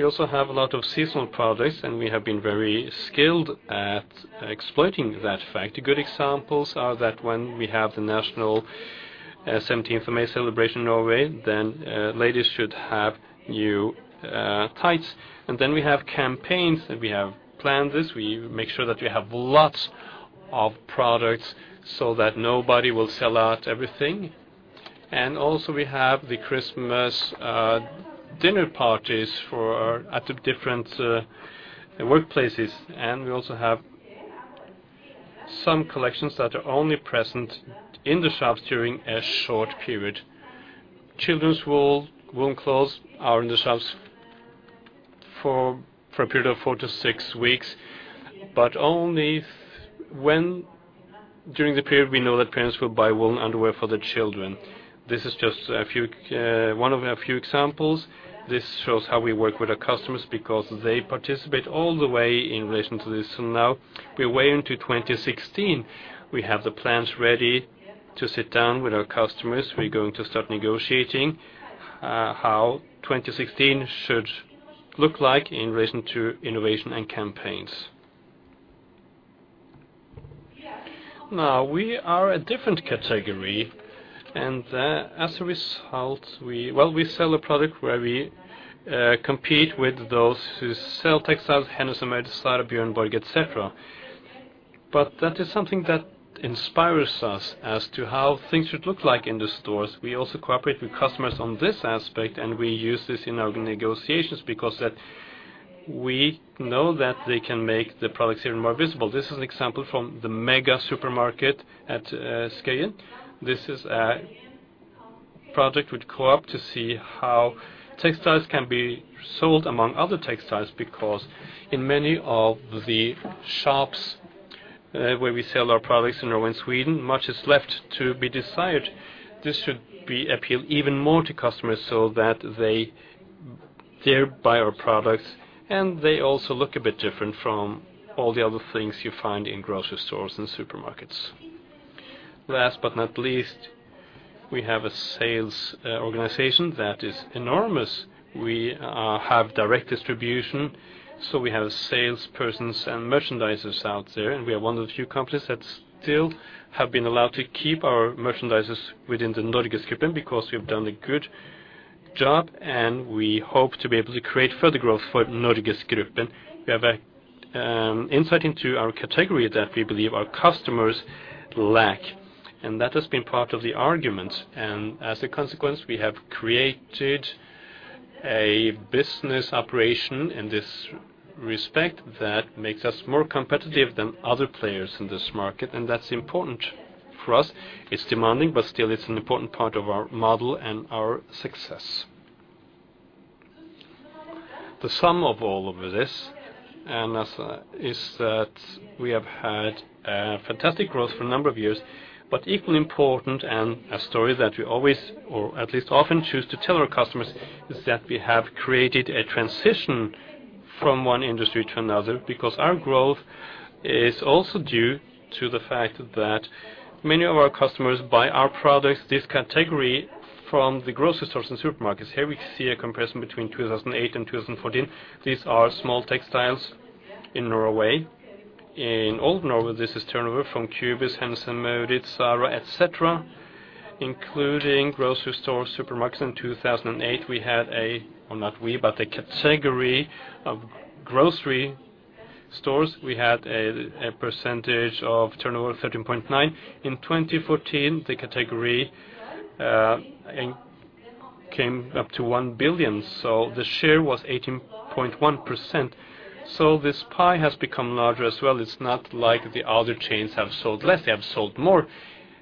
We also have a lot of seasonal products, and we have been very skilled at exploiting that fact. The good examples are that when we have the national 17th May celebration in Norway, then ladies should have new tights, and then we have campaigns, and we have planned this. We make sure that we have lots of products so that nobody will sell out everything. We also have the Christmas dinner parties for the different workplaces. We also have some collections that are only present in the shops during a short period. Children's wool, woolen clothes are in the shops for a period of four to six weeks, but only during the period we know that parents will buy woolen underwear for the children. This is just one of a few examples. This shows how we work with our customers because they participate all the way in relation to this. Now we're way into 2016. We have the plans ready to sit down with our customers. We're going to start negotiating how 2016 should look like in relation to innovation and campaigns. Now, we are a different category, and, as a result, well, we sell a product where we compete with those who sell textiles, Hennes & Mauritz, Zara, Björn Borg, et cetera. But that is something that inspires us as to how things should look like in the stores. We also cooperate with customers on this aspect, and we use this in our negotiations because that we know that they can make the products even more visible. This is an example from the Mega supermarket at Skien. This is a project with Coop to see how textiles can be sold among other textiles, because in many of the shops, where we sell our products in Norway and Sweden, much is left to be desired. This should be appeal even more to customers so that they dare buy our products, and they also look a bit different from all the other things you find in grocery stores and supermarkets. Last but not least, we have a sales organization that is enormous. We have direct distribution, so we have salespersons and merchandisers out there, and we are one of the few companies that still have been allowed to keep our merchandisers within the NorgesGruppen, because we've done a good job, and we hope to be able to create further growth for Nordic group. We have a insight into our category that we believe our customers lack, and that has been part of the argument. As a consequence, we have created a business operation in this respect that makes us more competitive than other players in this market, and that's important for us. It's demanding, but still it's an important part of our model and our success. The sum of all of this, and as, is that we have had a fantastic growth for a number of years. But equally important, and a story that we always, or at least often, choose to tell our customers, is that we have created a transition from one industry to another. Because our growth is also due to the fact that many of our customers buy our products, this category, from the grocery stores and supermarkets. Here we see a comparison between 2008 and 2014. These are small textiles in Norway. In all Norway, this is turnover from Cubus, Hennes & Mauritz, Zara, etc., including grocery stores, supermarkets. In 2008, Or not we, but the category of grocery stores had a percentage of turnover, 13.9%. In 2014, the category income came up to 1 billion, so the share was 18.1%. So this pie has become larger as well. It's not like the other chains have sold less. They have sold more.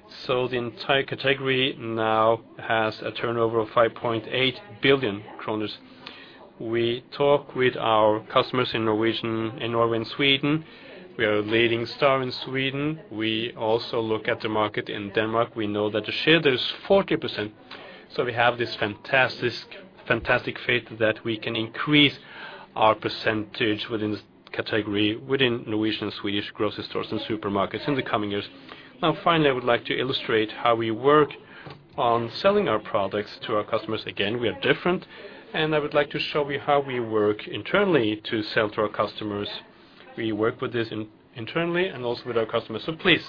So the entire category now has a turnover of 5.8 billion kroner. We talk with our customers in Norway and Sweden. We are a leading star in Sweden. We also look at the market in Denmark. We know that the share there is 40%, so we have this fantastic, fantastic basis that we can increase our-... Our percentage within this category, within Norwegian and Swedish grocery stores and supermarkets in the coming years. Now, finally, I would like to illustrate how we work on selling our products to our customers. Again, we are different, and I would like to show you how we work internally to sell to our customers. We work with this internally and also with our customers. So please? ...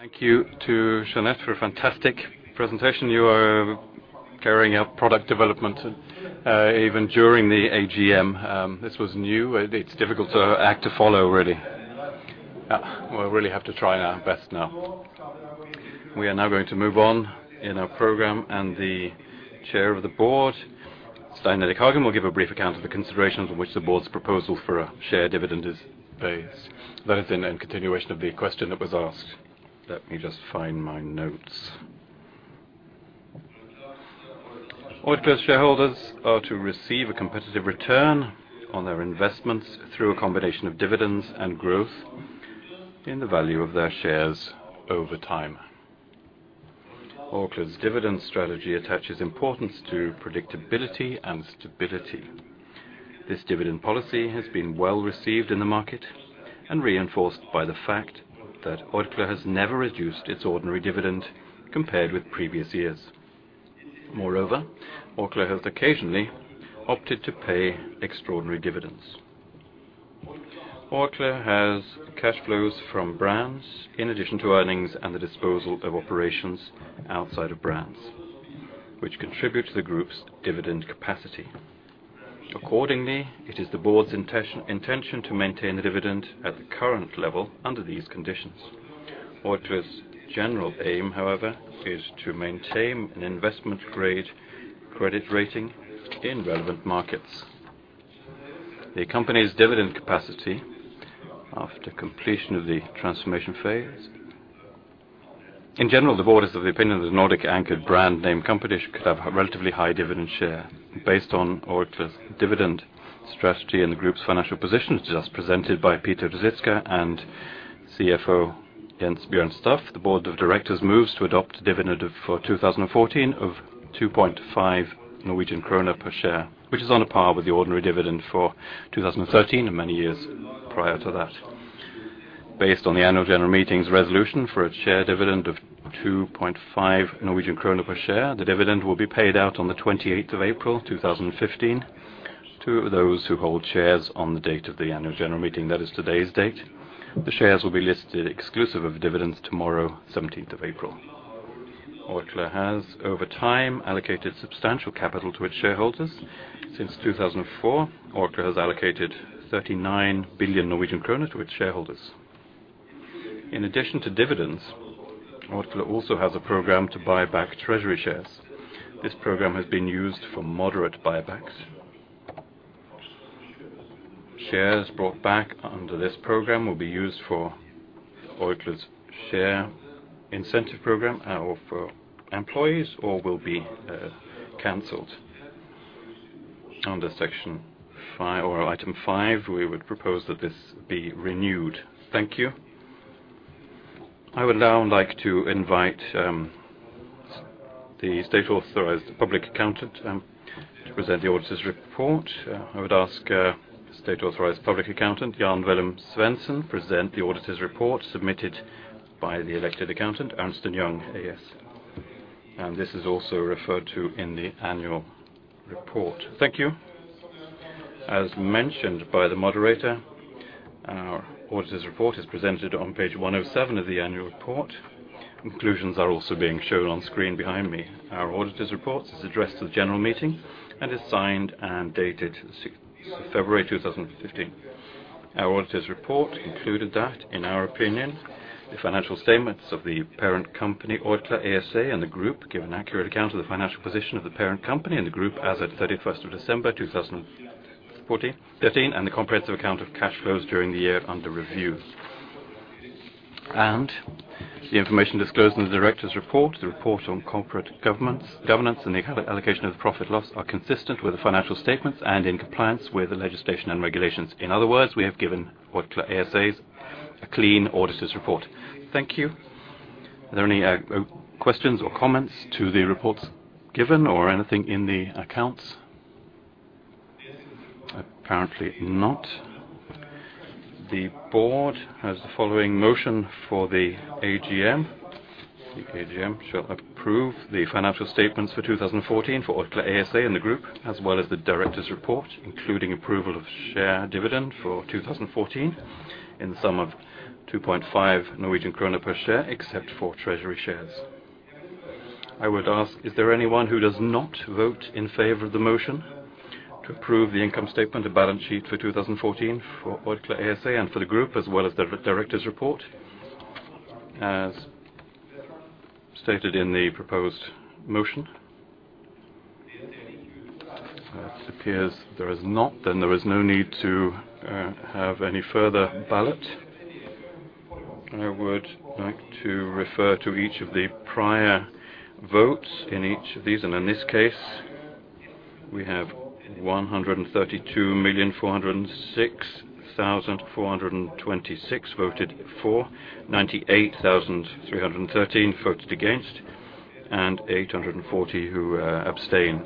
Thank you to Jeanette for a fantastic presentation. You are carrying out product development even during the AGM. This was new, it's difficult to act to follow, really. We really have to try our best now. We are now going to move on in our program, and the Chair of the board, Stein Erik Hagen, will give a brief account of the considerations on which the board's proposal for a share dividend is based. That is in continuation of the question that was asked. Let me just find my notes. Orkla's shareholders are to receive a competitive return on their investments through a combination of dividends and growth in the value of their shares over time. Orkla's dividend strategy attaches importance to predictability and stability. This dividend policy has been well-received in the market and reinforced by the fact that Orkla has never reduced its ordinary dividend compared with previous years. Moreover, Orkla has occasionally opted to pay extraordinary dividends. Orkla has cash flows from brands in addition to earnings and the disposal of operations outside of brands, which contribute to the group's dividend capacity. Accordingly, it is the board's intention to maintain the dividend at the current level under these conditions. Orkla's general aim, however, is to maintain an investment-grade credit rating in relevant markets. The company's dividend capacity after completion of the transformation phase... In general, the board is of the opinion that the Nordic-anchored brand name companies could have a relatively high dividend share, based on Orkla's dividend strategy and the group's financial position, as just presented by Peter Ruzicka and CFO Jens Bjørn Staff. The Board of Directors moves to adopt a dividend for two thousand and fourteen of 2.5 Norwegian krone per share, which is on a par with the ordinary dividend for two thousand and thirteen and many years prior to that. Based on the Annual General Meeting's resolution for a dividend of 2.5 Norwegian krone per share, the dividend will be paid out on the twenty-eighth of April, two thousand and fifteen to those who hold shares on the date of the Annual General Meeting, that is today's date. The shares will be listed exclusive of dividends tomorrow, seventeenth of April. Orkla has, over time, allocated substantial capital to its shareholders. Since two thousand and four, Orkla has allocated 39 billion Norwegian kroner to its shareholders. In addition to dividends, Orkla also has a program to buy back Treasury Shares. This program has been used for moderate buybacks. Shares brought back under this program will be used for Orkla's share incentive program, or for employees, or will be canceled. Under section five or item five, we would propose that this be renewed. Thank you. I would now like to invite the state-authorized public accountant to present the auditor's report. I would ask state-authorized public accountant, Jan Veum, present the auditor's report submitted by the elected accountant, Ernst & Young AS. This is also referred to in the annual report. Thank you. As mentioned by the moderator, our auditor's report is presented on page 107 of the annual report. Conclusions are also being shown on screen behind me. Our auditor's report is addressed to the general meeting and is signed and dated sixth of February, 2015. Our auditor's report concluded that, in our opinion, the financial statements of the parent company, Orkla ASA, and the group give an accurate account of the financial position of the parent company and the group as at 31st December, 2013 and the comprehensive account of cash flows during the year under review. And the information disclosed in the director's report, the report on corporate governments--governance, and the allocation of the profit loss are consistent with the financial statements and in compliance with the legislation and regulations. In other words, we have given Orkla ASA a clean auditor's report. Thank you. Are there any questions or comments to the reports given or anything in the accounts? Apparently not. The board has the following motion for the AGM. The AGM shall approve the financial statements for 2014 for Orkla ASA and the group, as well as the directors' report, including approval of share dividend for two thousand and fourteen, in the sum of 2.5 Norwegian krone per share, except for treasury shares. I would ask, is there anyone who does not vote in favor of the motion to approve the income statement and balance sheet for two thousand and fourteen for Orkla ASA and for the group, as well as the directors' report, as stated in the proposed motion? It appears there is not, then there is no need to have any further ballot. I would like to refer to each of the prior votes in each of these, and in this case, we have 132,406,426 voted for, 98,313 voted against, and eight hundred and forty who abstained.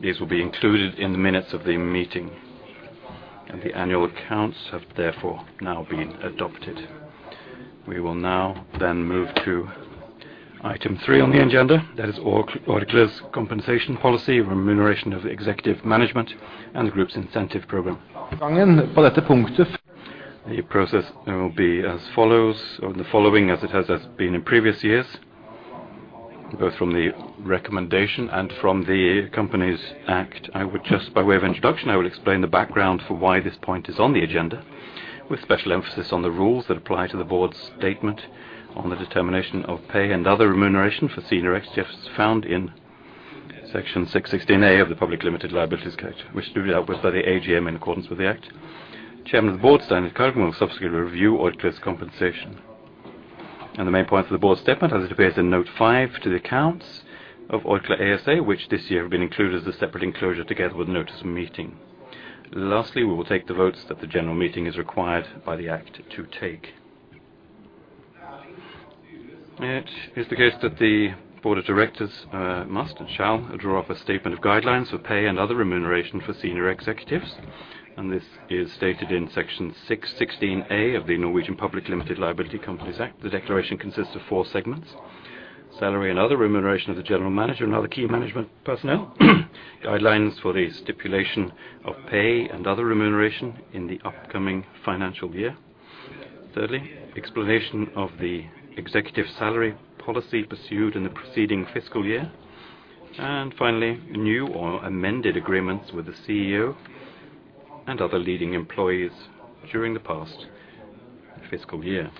These will be included in the minutes of the meeting, and the annual accounts have therefore now been adopted. We will now then move to item three on the agenda, that is Orkla's compensation policy, remuneration of executive management, and the group's incentive program. The process will be as follows, or the following, as it has been in previous years, both from the recommendation and from the company's act. I would just, by way of introduction, I will explain the background for why this point is on the agenda, with special emphasis on the rules that apply to the board's statement on the determination of pay and other remuneration for senior executives found in Section 6-16a of the Public Limited Liability Companies Act, which due out by the AGM in accordance with the Act. Chairman of the Board, Stein Erik Hagen, will subsequently review Orkla's compensation and the main points of the board statement, as it appears in note five to the accounts of Orkla ASA, which this year have been included as a separate enclosure together with the notice of meeting. Lastly, we will take the votes that the general meeting is required by the Act to take. It is the case that the board of directors must and shall draw up a statement of guidelines for pay and other remuneration for senior executives, and this is stated in Section 6-16a of the Norwegian Public Limited Liability Companies Act. The declaration consists of four segments: salary and other remuneration of the general manager and other key management personnel, guidelines for the stipulation of pay and other remuneration in the upcoming financial year. Thirdly, explanation of the executive salary policy pursued in the preceding fiscal year. And finally, new or amended agreements with the CEO and other leading employees during the past fiscal year.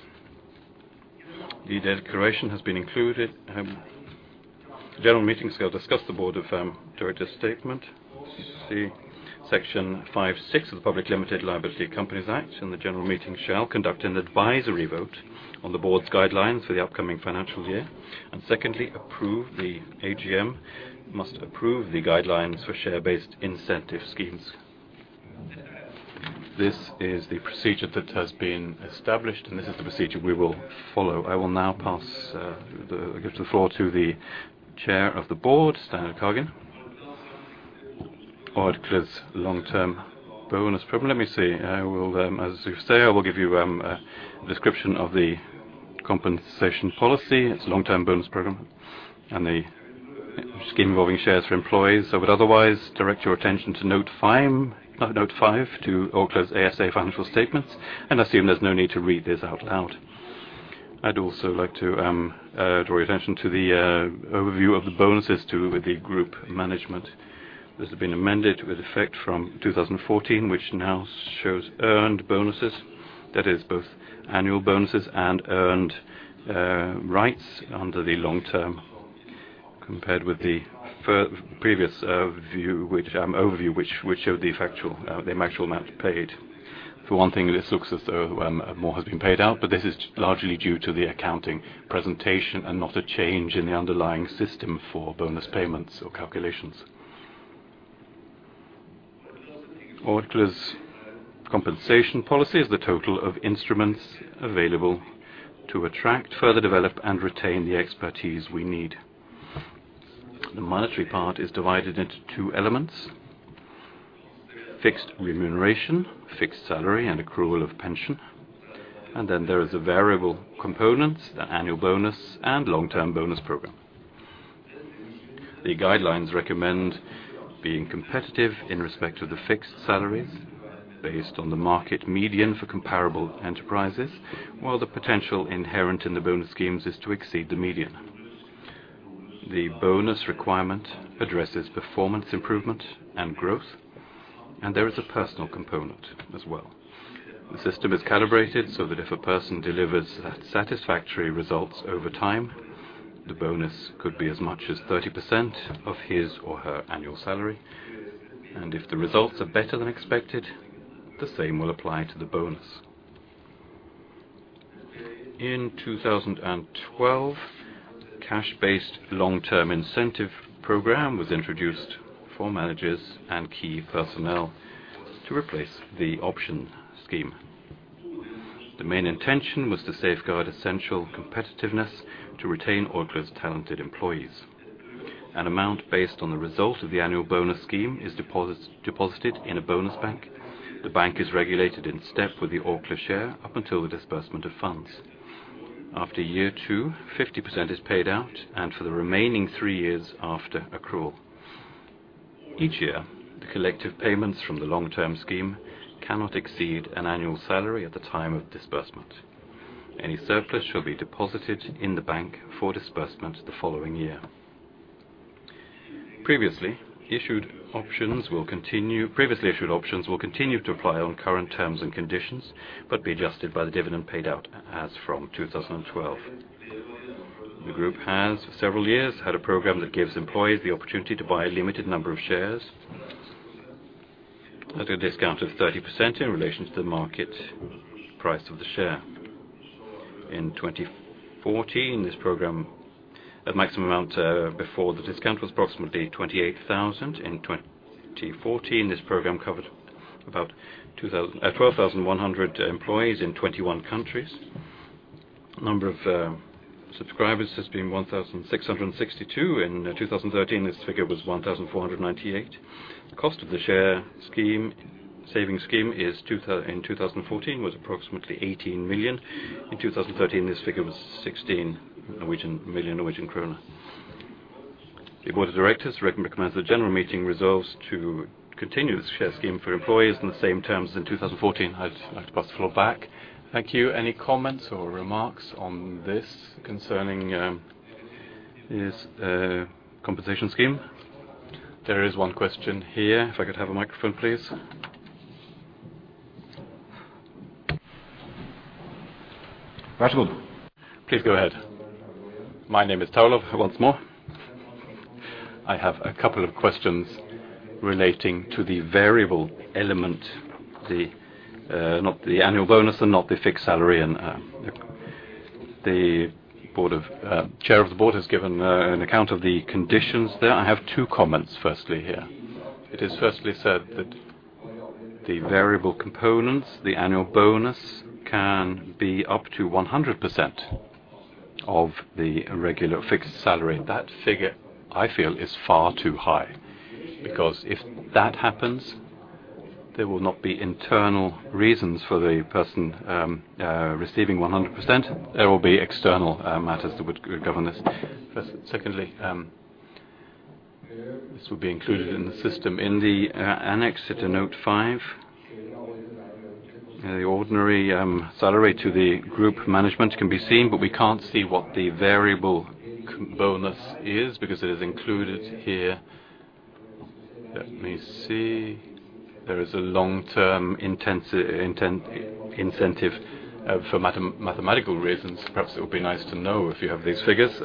The declaration has been included. The general meeting shall discuss the board of directors' statement, see Section 5-6 of the Public Limited Liability Companies Act, and the general meeting shall conduct an advisory vote on the board's guidelines for the upcoming financial year, and secondly, approve the AGM, must approve the guidelines for share-based incentive schemes. This is the procedure that has been established, and this is the procedure we will follow. I will now give the floor to the Chair of the Board, Stein Erik Hagen. Orkla's long-term bonus program. Let me see. I will, as you say, I will give you, a description of the compensation policy. It's a long-term bonus program and a scheme involving shares for employees. I would otherwise direct your attention to Note 5 to Orkla ASA's financial statements, and assume there's no need to read this out loud. I'd also like to draw your attention to the overview of the bonuses too with the group management. This has been amended with effect from 2014, which now shows earned bonuses, that is both annual bonuses and earned rights under the long term, compared with the previous overview, which showed the actual amount paid. For one thing, this looks as though more has been paid out, but this is largely due to the accounting presentation and not a change in the underlying system for bonus payments or calculations. Orkla's compensation policy is the total of instruments available to attract, further develop, and retain the expertise we need. The monetary part is divided into two elements: fixed remuneration, fixed salary, and accrual of pension. And then there is a variable component, the annual bonus and long-term bonus program. The guidelines recommend being competitive in respect to the fixed salaries based on the market median for comparable enterprises, while the potential inherent in the bonus schemes is to exceed the median. The bonus requirement addresses performance improvement and growth, and there is a personal component as well. The system is calibrated so that if a person delivers satisfactory results over time, the bonus could be as much as 30% of his or her annual salary, and if the results are better than expected, the same will apply to the bonus. In 2012, cash-based long-term incentive program was introduced for managers and key personnel to replace the option scheme. The main intention was to safeguard essential competitiveness to retain Orkla's talented employees. An amount based on the result of the annual bonus scheme is deposited in a bonus bank. The bank is regulated in step with the Orkla share up until the disbursement of funds. After year two, 50% is paid out, and for the remaining three years after accrual. Each year, the collective payments from the long-term scheme cannot exceed an annual salary at the time of disbursement. Any surplus shall be deposited in the bank for disbursement the following year. Previously issued options will continue to apply on current terms and conditions, but be adjusted by the dividend paid out as from 2012. The group has, for several years, had a program that gives employees the opportunity to buy a limited number of shares at a discount of 30% in relation to the market price of the share. In 2014, this program, the maximum amount before the discount was approximately 28,000. In 2014, this program covered about 12,100 employees in 21 countries. The number of subscribers has been 1,662. In 2013, this figure was 1,498. Cost of the share saving scheme in 2014 was approximately 18 million. In 2013, this figure was 16 million Norwegian kroner. The Board of Directors recommend the General Meeting resolves to continue the share scheme for employees in the same terms in 2014. I'd like to pass the floor back. Thank you. Any comments or remarks on this concerning this compensation scheme? There is one question here. If I could have a microphone, please. Very good. Please go ahead. My name is Tarlov, once more. I have a couple of questions relating to the variable element, the not the annual bonus and not the fixed salary, and the Board Chair of the Board has given an account of the conditions there. I have two comments, firstly, here. It is firstly said that the variable components, the annual bonus, can be up to 100% of the regular fixed salary. That figure, I feel, is far too high, because if that happens, there will not be internal reasons for the person receiving 100%. There will be external matters that would govern this. First, secondly, this will be included in the system. In the annex to Note 5, the ordinary salary to the Group Management can be seen, but we can't see what the variable bonus is because it is included here. Let me see. There is a long-term incentive for mathematical reasons. Perhaps it would be nice to know if you have these figures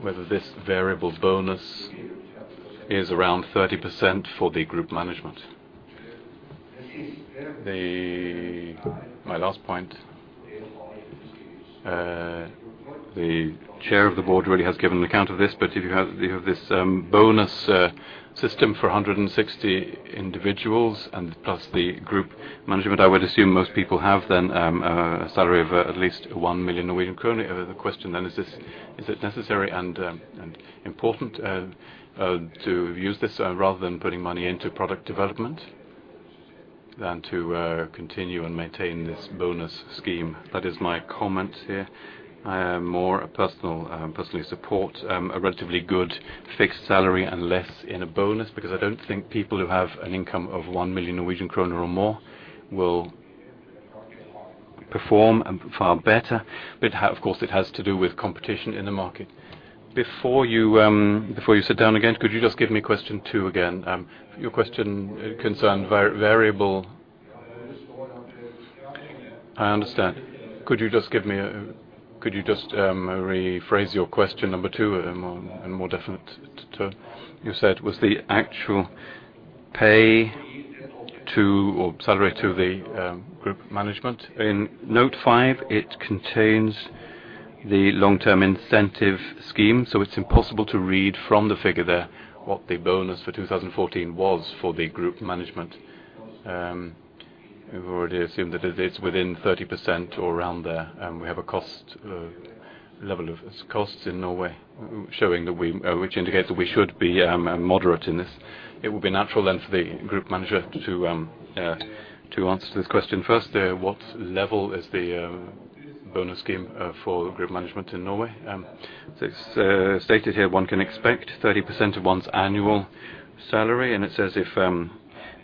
whether this variable bonus is around 30% for the Group Management. The... My last point, the chair of the board already has given an account of this, but if you have this bonus system for 160 individuals and plus the group management, I would assume most people have then a salary of at least 1 million Norwegian kroner. The question then is this, is it necessary and important to use this rather than putting money into product development than to continue and maintain this bonus scheme? That is my comment here. I am more a personal, personally support a relatively good fixed salary and less in a bonus, because I don't think people who have an income of 1 million Norwegian kroner or more will perform far better. But, of course, it has to do with competition in the market. Before you, before you sit down again, could you just give me question two again? Your question concerned variable. I understand. Could you just give me a. Could you just, rephrase your question number two in more, in more definite terms? You said, was the actual pay to, or salary to the, group management? In note five, it contains the long-term incentive scheme, so it's impossible to read from the figure there what the bonus for twenty fourteen was for the group management. We've already assumed that it's within 30% or around there, and we have a cost, level of costs in Norway, showing that we, which indicates that we should be, moderate in this. It would be natural then for the group manager to, to answer this question first. What level is the bonus scheme for group management in Norway? It's stated here, one can expect 30% of one's annual salary, and it says if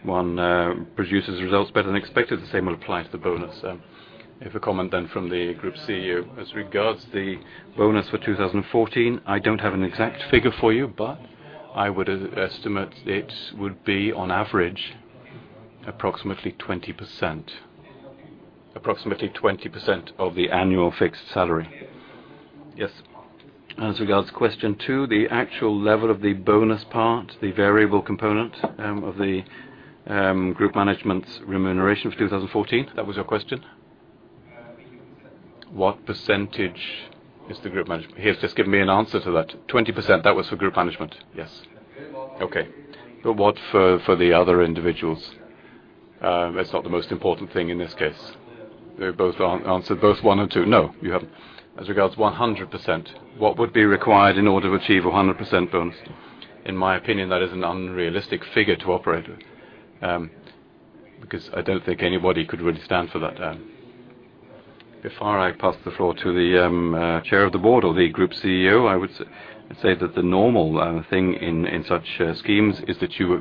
one produces results better than expected, the same will apply to the bonus. If a comment then from the group CEO. As regards the bonus for twenty fourteen, I don't have an exact figure for you, but I would estimate it would be, on average, approximately 20%. Approximately 20% of the annual fixed salary? Yes. As regards question two, the actual level of the bonus part, the variable component of the group management's remuneration for twenty fourteen, that was your question? What percentage is the group management? He has just given me an answer to that. 20%, that was for group management. Yes. Okay. But what for, for the other individuals?... that's not the most important thing in this case. They both answered both one and two. No, you have as regards 100%, what would be required in order to achieve a 100% bonus? In my opinion, that is an unrealistic figure to operate with, because I don't think anybody could really stand for that. Before I pass the floor to the Chair of the Board or the Group CEO, I would say that the normal thing in such schemes is that you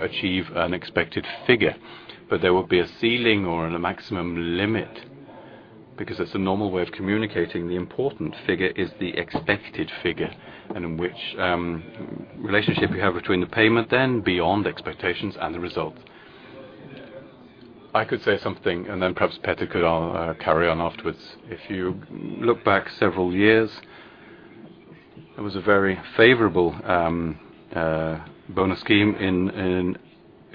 achieve an expected figure, but there will be a ceiling or a maximum limit, because that's a normal way of communicating. The important figure is the expected figure, and in which relationship you have between the payment, then beyond expectations and the results. I could say something, and then perhaps Peter could carry on afterwards. If you look back several years, it was a very favorable bonus scheme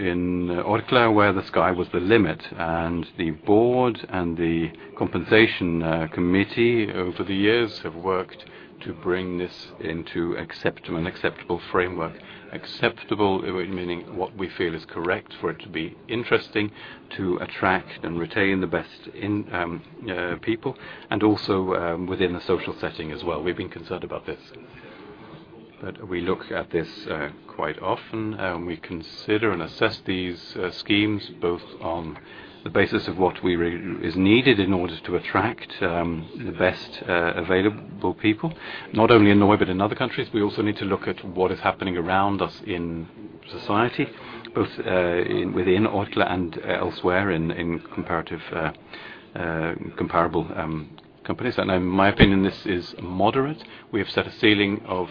in Orkla, where the sky was the limit, and the board and the compensation committee over the years have worked to bring this into an acceptable framework. Acceptable, meaning what we feel is correct, for it to be interesting, to attract and retain the best people, and also within the social setting as well. We've been concerned about this, but we look at this quite often, and we consider and assess these schemes, both on the basis of what is needed in order to attract the best available people, not only in Norway, but in other countries. We also need to look at what is happening around us in society, both within Orkla and elsewhere, in comparable companies. In my opinion, this is moderate. We have set a ceiling of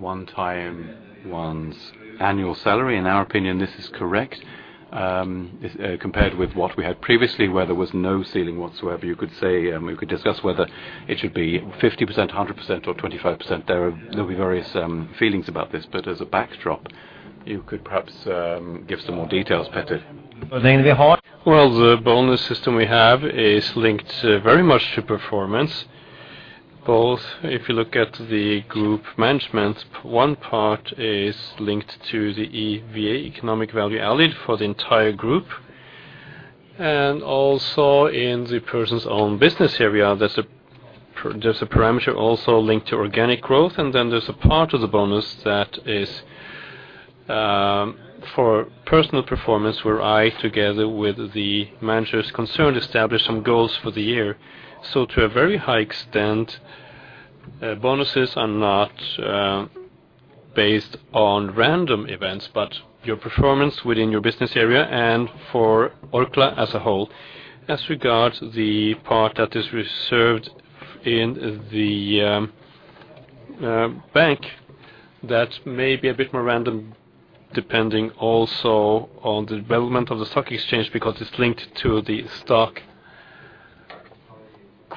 one time, one's annual salary. In our opinion, this is correct. Compared with what we had previously, where there was no ceiling whatsoever, you could say. We could discuss whether it should be 50%, 100%, or 25%. There will be various feelings about this, but as a backdrop, you could perhaps give some more details, Peter. Well, the bonus system we have is linked very much to performance. Both if you look at the group management, one part is linked to the EVA, economic value added for the entire group, and also in the person's own business area, there's a parameter also linked to organic growth, and then there's a part of the bonus that is for personal performance, where I, together with the managers concerned, establish some goals for the year. So to a very high extent, bonuses are not based on random events, but your performance within your business area and for Orkla as a whole. As regards the part that is reserved in the bank, that may be a bit more random, depending also on the development of the stock exchange, because it's linked to the stock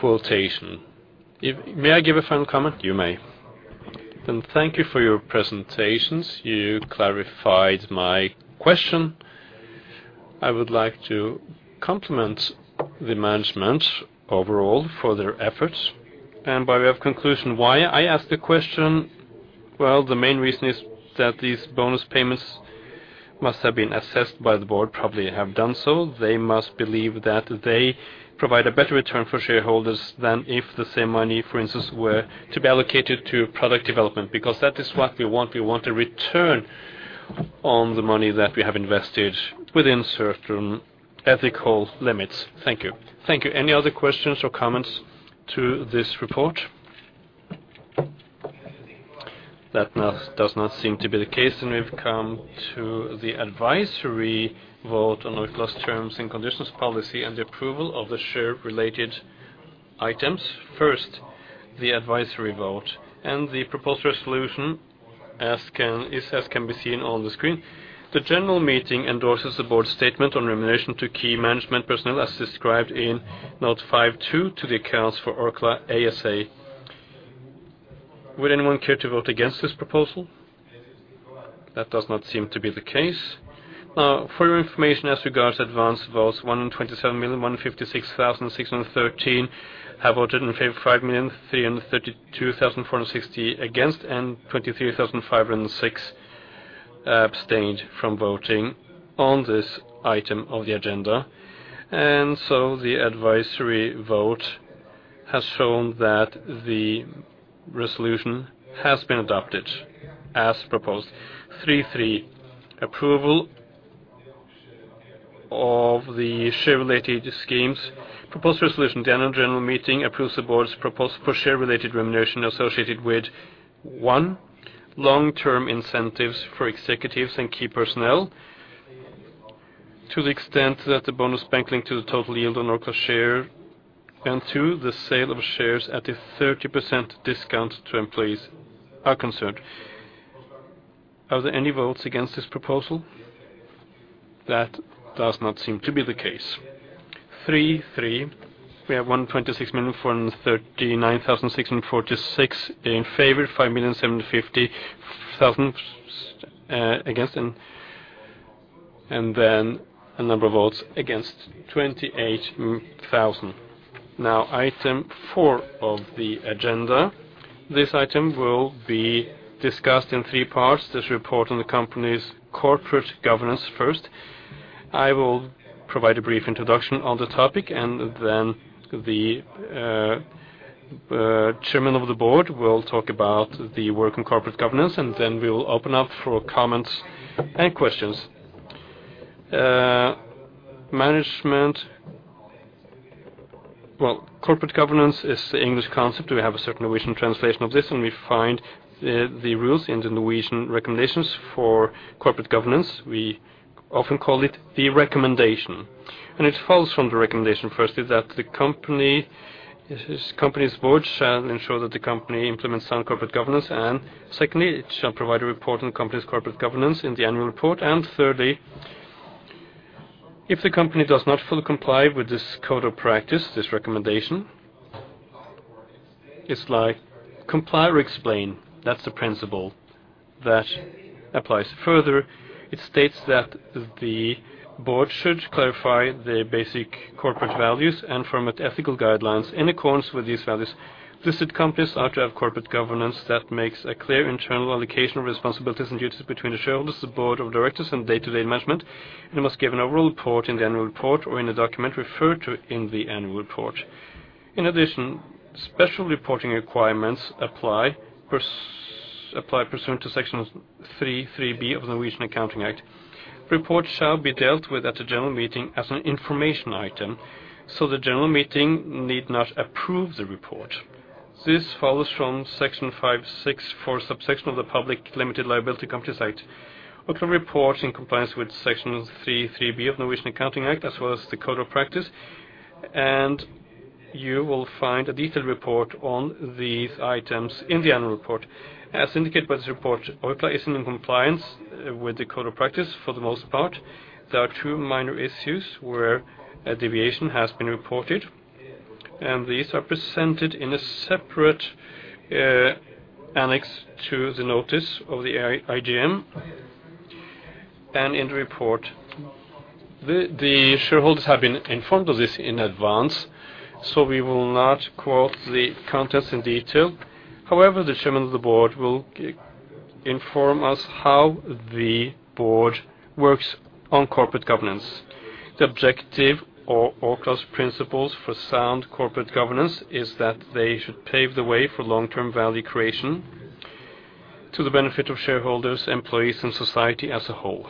quotation. May I give a final comment? You may. Thank you for your presentations. You clarified my question. I would like to compliment the management overall for their efforts. By way of conclusion, why I asked the question, well, the main reason is that these bonus payments must have been assessed by the board, probably have done so. They must believe that they provide a better return for shareholders than if the same money, for instance, were to be allocated to product development, because that is what we want. We want a return on the money that we have invested within certain ethical limits. Thank you. Thank you. Any other questions or comments to this report? That does not seem to be the case, and we've come to the advisory vote on Orkla's terms and conditions, policy, and the approval of the share related items. First, the advisory vote and the proposed resolution, as can be seen on the screen. The general meeting endorses the board's statement on remuneration to key management personnel, as described in Note 5 to the accounts for Orkla ASA. Would anyone care to vote against this proposal? That does not seem to be the case. Now, for your information, as regards advance votes, 127,156,613 have voted in favor, 5,332,460 against, and 23,506 abstained from voting on this item of the agenda. And so the advisory vote has shown that the resolution has been adopted as proposed. 3.3, approval of the share-related schemes. Proposed resolution at the Annual General Meeting approves the board's proposal for share-related remuneration associated with, one, long-term incentives for executives and key personnel to the extent that the bonus bank linked to the total yield on Orkla share, and two, the sale of shares at a 30% discount to employees are concerned. Are there any votes against this proposal? That does not seem to be the case. 3.3, we have 126,439,646 in favor, 5,750,000 against, and then a number of votes against, 28,000.... Now, item four of the agenda. This item will be discussed in three parts. This report on the company's corporate governance first. I will provide a brief introduction on the topic, and then the chairman of the board will talk about the work in corporate governance, and then we will open up for comments and questions. Well, corporate governance is the English concept. We have a certain Norwegian translation of this, and we find the rules in the Norwegian Recommendation for Corporate Governance. We often call it the recommendation. And it follows from the recommendation, firstly, that the company's board shall ensure that the company implements sound corporate governance, and secondly, it shall provide a report on the company's corporate governance in the annual report. Thirdly, if the company does not fully comply with this Code of Practice, this recommendation, it's like comply or explain. That's the principle that applies. Further, it states that the board should clarify their basic corporate values and form ethical guidelines in accordance with these values. Listed companies are to have corporate governance that makes a clear internal allocation of responsibilities and duties between the shareholders, the board of directors, and day-to-day management, and must give an overall report in the annual report or in a document referred to in the annual report. In addition, special reporting requirements apply pursuant to Section 3-3b of the Norwegian Accounting Act. Report shall be dealt with at the general meeting as an information item, so the general meeting need not approve the report. This follows from Section five, six, four, subsection of the Public Limited Liability Companies Act. Orkla reports in compliance with Section 3-3b of Norwegian Accounting Act, as well as the code of practice, and you will find a detailed report on these items in the annual report. As indicated by this report, Orkla is in compliance with the code of practice for the most part. There are two minor issues where a deviation has been reported, and these are presented in a separate annex to the notice of the AGM and in the report. The shareholders have been informed of this in advance, so we will not quote the contents in detail. However, the chairman of the board will inform us how the board works on corporate governance. The objective of Orkla's principles for sound corporate governance is that they should pave the way for long-term value creation to the benefit of shareholders, employees, and society as a whole.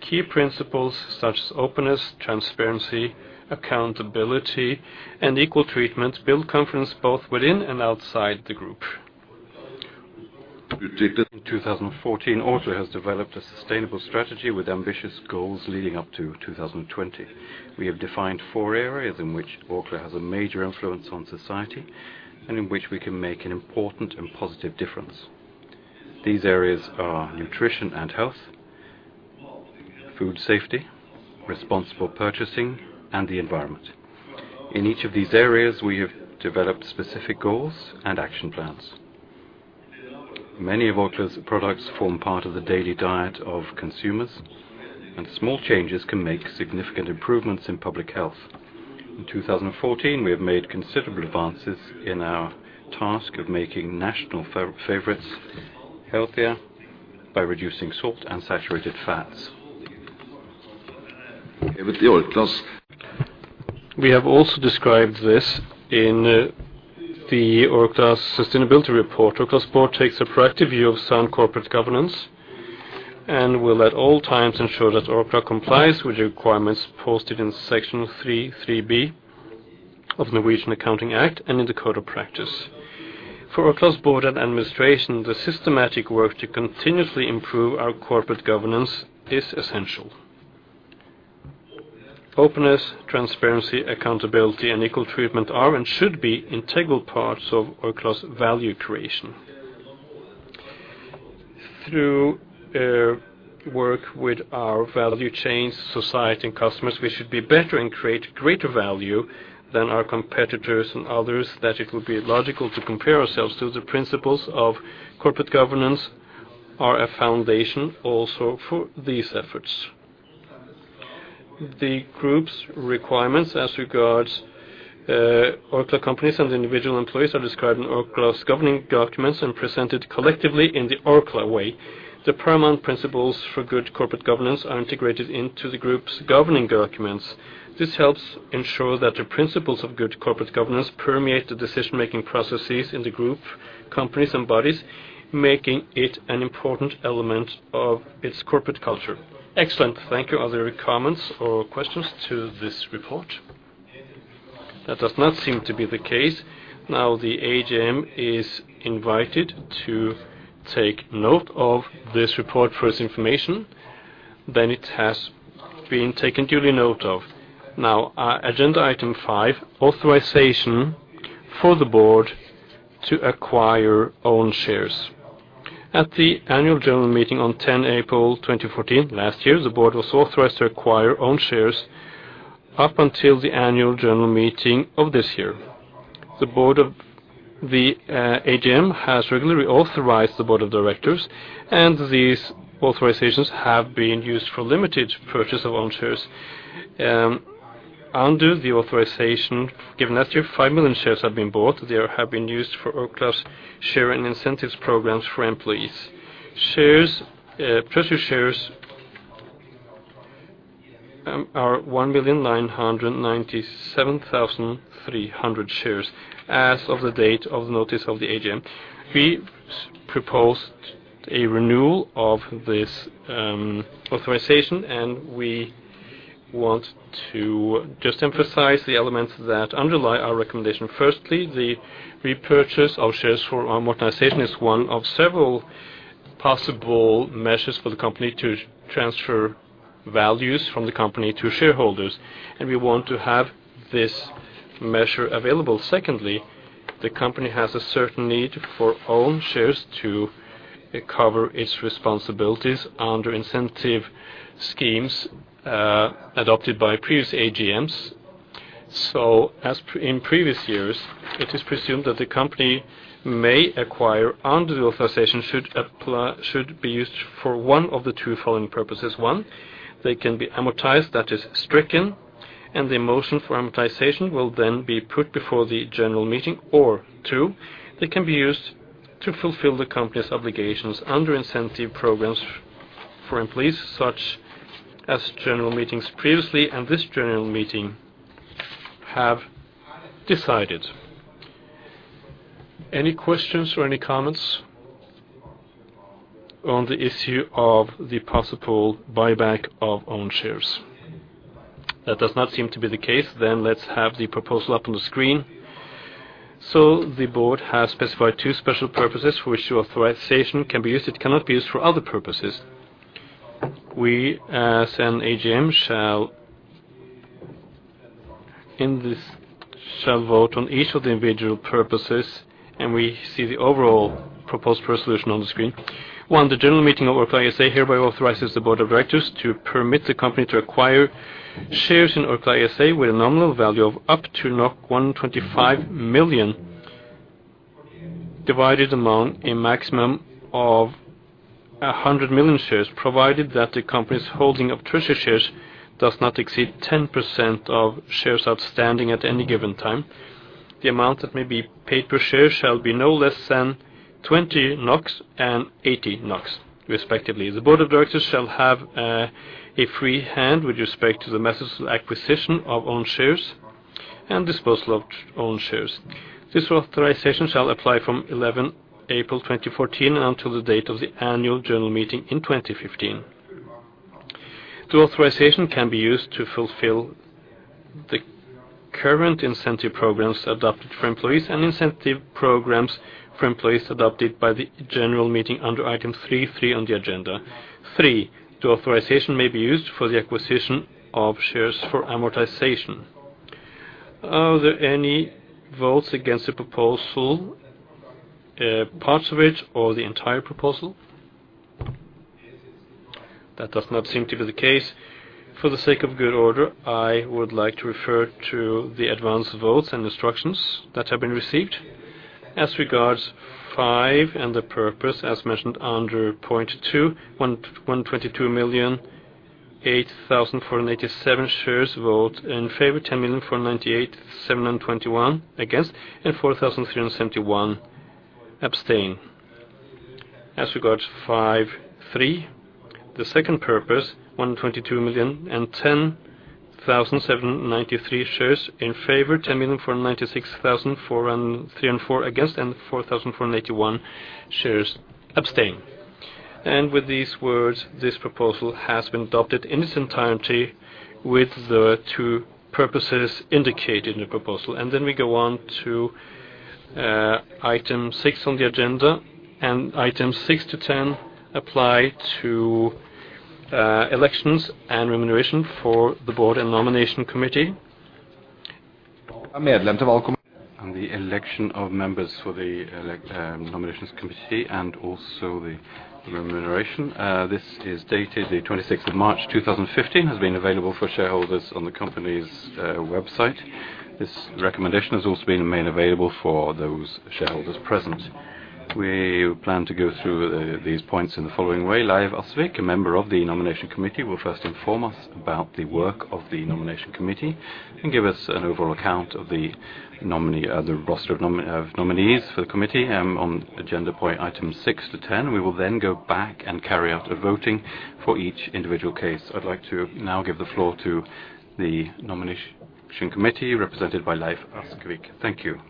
Key principles such as openness, transparency, accountability, and equal treatment build confidence both within and outside the group. In two thousand and fourteen, Orkla has developed a sustainable strategy with ambitious goals leading up to two thousand and twenty. We have defined four areas in which Orkla has a major influence on society and in which we can make an important and positive difference. These areas are nutrition and health, food safety, responsible purchasing, and the environment. In each of these areas, we have developed specific goals and action plans. Many of Orkla's products form part of the daily diet of consumers, and small changes can make significant improvements in public health. In two thousand and fourteen, we have made considerable advances in our task of making national fan favorites healthier by reducing salt and saturated fats. We have also described this in the Orkla's sustainability report. Orkla's board takes a proactive view of sound corporate governance and will, at all times, ensure that Orkla complies with the requirements posted in Section three, three-B of Norwegian Accounting Act and in the code of practice. For Orkla's board and administration, the systematic work to continuously improve our corporate governance is essential. Openness, transparency, accountability, and equal treatment are and should be integral parts of Orkla's value creation. Through work with our value chains, society, and customers, we should be better and create greater value than our competitors and others, that it would be logical to compare ourselves to. The principles of corporate governance are a foundation also for these efforts. The group's requirements as regards Orkla companies and individual employees are described in Orkla's governing documents and presented collectively in the Orkla Way. The paramount principles for good corporate governance are integrated into the group's governing documents. This helps ensure that the principles of good corporate governance permeate the decision-making processes in the group, companies, and bodies, making it an important element of its corporate culture. Excellent. Thank you. Are there comments or questions to this report? That does not seem to be the case. Now, the AGM is invited to take note of this report first information. Then it has been taken duly note of. Now, our agenda item five, authorization for the board to acquire own shares. At the annual general meeting on 10 April 2014, last year, the board was authorized to acquire own shares up until the annual general meeting of this year.... The board of the AGM has regularly authorized the board of directors, and these authorizations have been used for limited purchase of own shares. Under the authorization, given that here, five million shares have been bought, they have been used for Orkla's share and incentives programs for employees. Shares, treasury shares, are one million nine hundred and ninety-seven thousand three hundred shares as of the date of notice of the AGM. We proposed a renewal of this authorization, and we want to just emphasize the elements that underlie our recommendation. Firstly, the repurchase of shares for amortization is one of several possible measures for the company to transfer values from the company to shareholders, and we want to have this measure available. Secondly, the company has a certain need for own shares to cover its responsibilities under incentive schemes adopted by previous AGMs. So as in previous years, it is presumed that the company may acquire under the authorization should be used for one of the two following purposes. One, they can be amortized, that is stricken, and the motion for amortization will then be put before the general meeting, or two, they can be used to fulfill the company's obligations under incentive programs for employees, such as general meetings previously, and this general meeting have decided. Any questions or any comments on the issue of the possible buyback of own shares? That does not seem to be the case, then let's have the proposal up on the screen. So the board has specified two special purposes for which the authorization can be used. It cannot be used for other purposes. We, as an AGM, shall vote on each of the individual purposes, and we see the overall proposed resolution on the screen. One, the general meeting of Orkla ASA, hereby authorizes the board of directors to permit the company to acquire shares in Orkla ASA with a nominal value of up to 125 million, divided among a maximum of 100 million shares, provided that the company's holding of treasury shares does not exceed 10% of shares outstanding at any given time. The amount that may be paid per share shall be no less than 20 NOK and 80 NOK, respectively. The board of directors shall have a free hand with respect to the methods of acquisition of own shares and disposal of own shares. This authorization shall apply from eleventh April, 2014, until the date of the Annual General Meeting in 2015. The authorization can be used to fulfill the current incentive programs adopted for employees and incentive programs for employees adopted by the general meeting under Item 3.3 on the agenda. Three, the authorization may be used for the acquisition of shares for amortization. Are there any votes against the proposal, parts of it, or the entire proposal? That does not seem to be the case. For the sake of good order, I would like to refer to the advanced votes and instructions that have been received. As regards five, and the purpose, as mentioned under point two, one hundred twenty-two million eight thousand four hundred and eighty-seven shares vote in favor, ten million four hundred and ninety-eight thousand seven hundred and twenty-one against, and four thousand three hundred and seventy-one abstain. As regards five three, the second purpose, 122,010,793 shares in favor, 10,496,304 against, and 4,481 shares abstain. And with these words, this proposal has been adopted in its entirety with the two purposes indicated in the proposal. And then we go on to item six on the agenda, and items six to ten apply to elections and remuneration for the board and nomination committee. And the election of members for the nominations committee and also the remuneration. This is dated the 26th March, 2015, has been available for shareholders on the company's website. This recommendation has also been made available for those shareholders present. We plan to go through these points in the following way. Leif Askvik, a member of the Nomination Committee, will first inform us about the work of the Nomination Committee and give us an overall account of the roster of nominees for the committee on agenda point item six-10. We will then go back and carry out the voting for each individual case. I'd like to now give the floor to the Nomination Committee, represented by Leif Askvik. Thank you.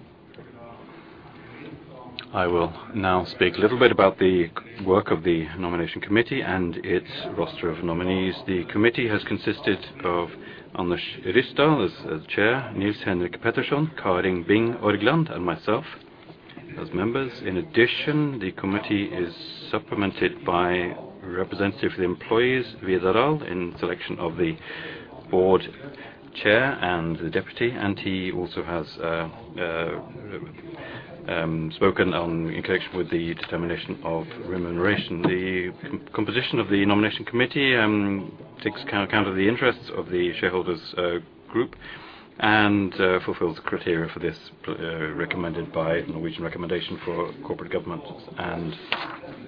I will now speak a little bit about the work of the nomination committee and its roster of nominees. The committee has consisted of Anders Ryssdal as Chair, Nils-Henrik Pettersson, Karin Bing Orgland, and myself as members. In addition, the committee is supplemented by representative of the employees, Vidar Aall, in selection of the board chair and the deputy, and he also has spoken on in connection with the determination of remuneration. The composition of the nomination committee takes into account of the interests of the shareholders group.... and fulfills the criteria for this, recommended by Norwegian Recommendation for Corporate Governance and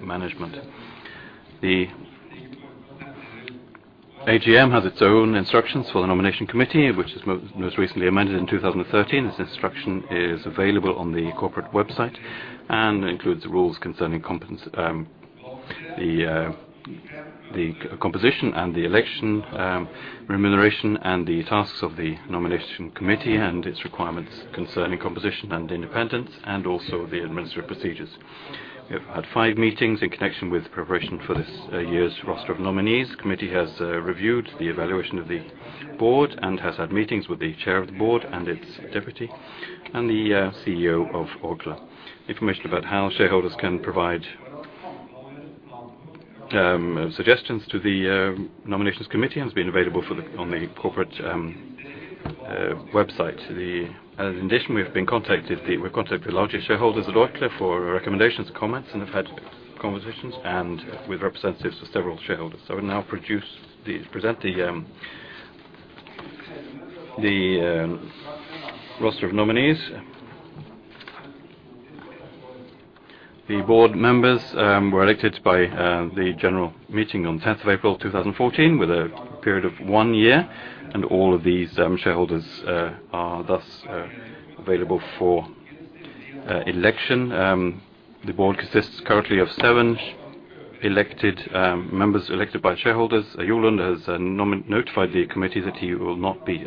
Management. The AGM has its own instructions for the nomination committee, which is most recently amended in 2013. This instruction is available on the corporate website and includes rules concerning competence, the composition and the election, remuneration, and the tasks of the nomination committee, and its requirements concerning composition and independence, and also the administrative procedures. We have had five meetings in connection with preparation for this year's roster of nominees. Committee has reviewed the evaluation of the board and has had meetings with the chair of the board and its deputy and the CEO of Orkla. Information about how shareholders can provide suggestions to the nominations committee has been available on the corporate website. The... In addition, we've contacted the largest shareholders at Orkla for recommendations, comments, and have had conversations and with representatives of several shareholders. I will now present the roster of nominees. The board members were elected by the general meeting on 10th April 2014, with a period of one year, and all of these shareholders are thus available for election. The board consists currently of seven elected members, elected by shareholders. Jo Lunder has notified the committee that he will not be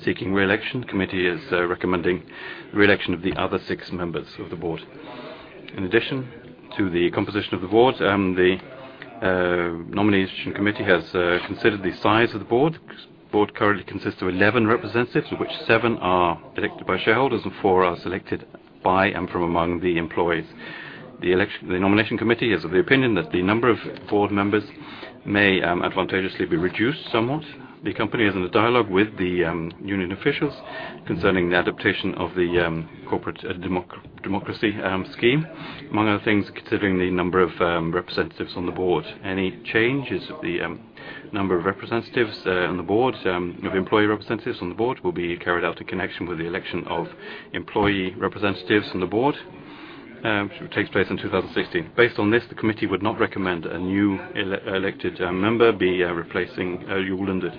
seeking re-election. Committee is recommending re-election of the other six members of the board. In addition to the composition of the board, the nomination committee has considered the size of the board. board currently consists of eleven representatives, of which seven are elected by shareholders and four are selected by and from among the employees. The Nomination Committee is of the opinion that the number of board members may advantageously be reduced somewhat. The company is in dialogue with the union officials concerning the adaptation of the corporate democracy scheme, among other things, considering the number of representatives on the board. Any changes of the number of representatives on the board of employee representatives on the board will be carried out in connection with the election of employee representatives on the board, which takes place in two thousand and sixteen. Based on this, the committee would not recommend a new elected member be replacing Jo Lunder.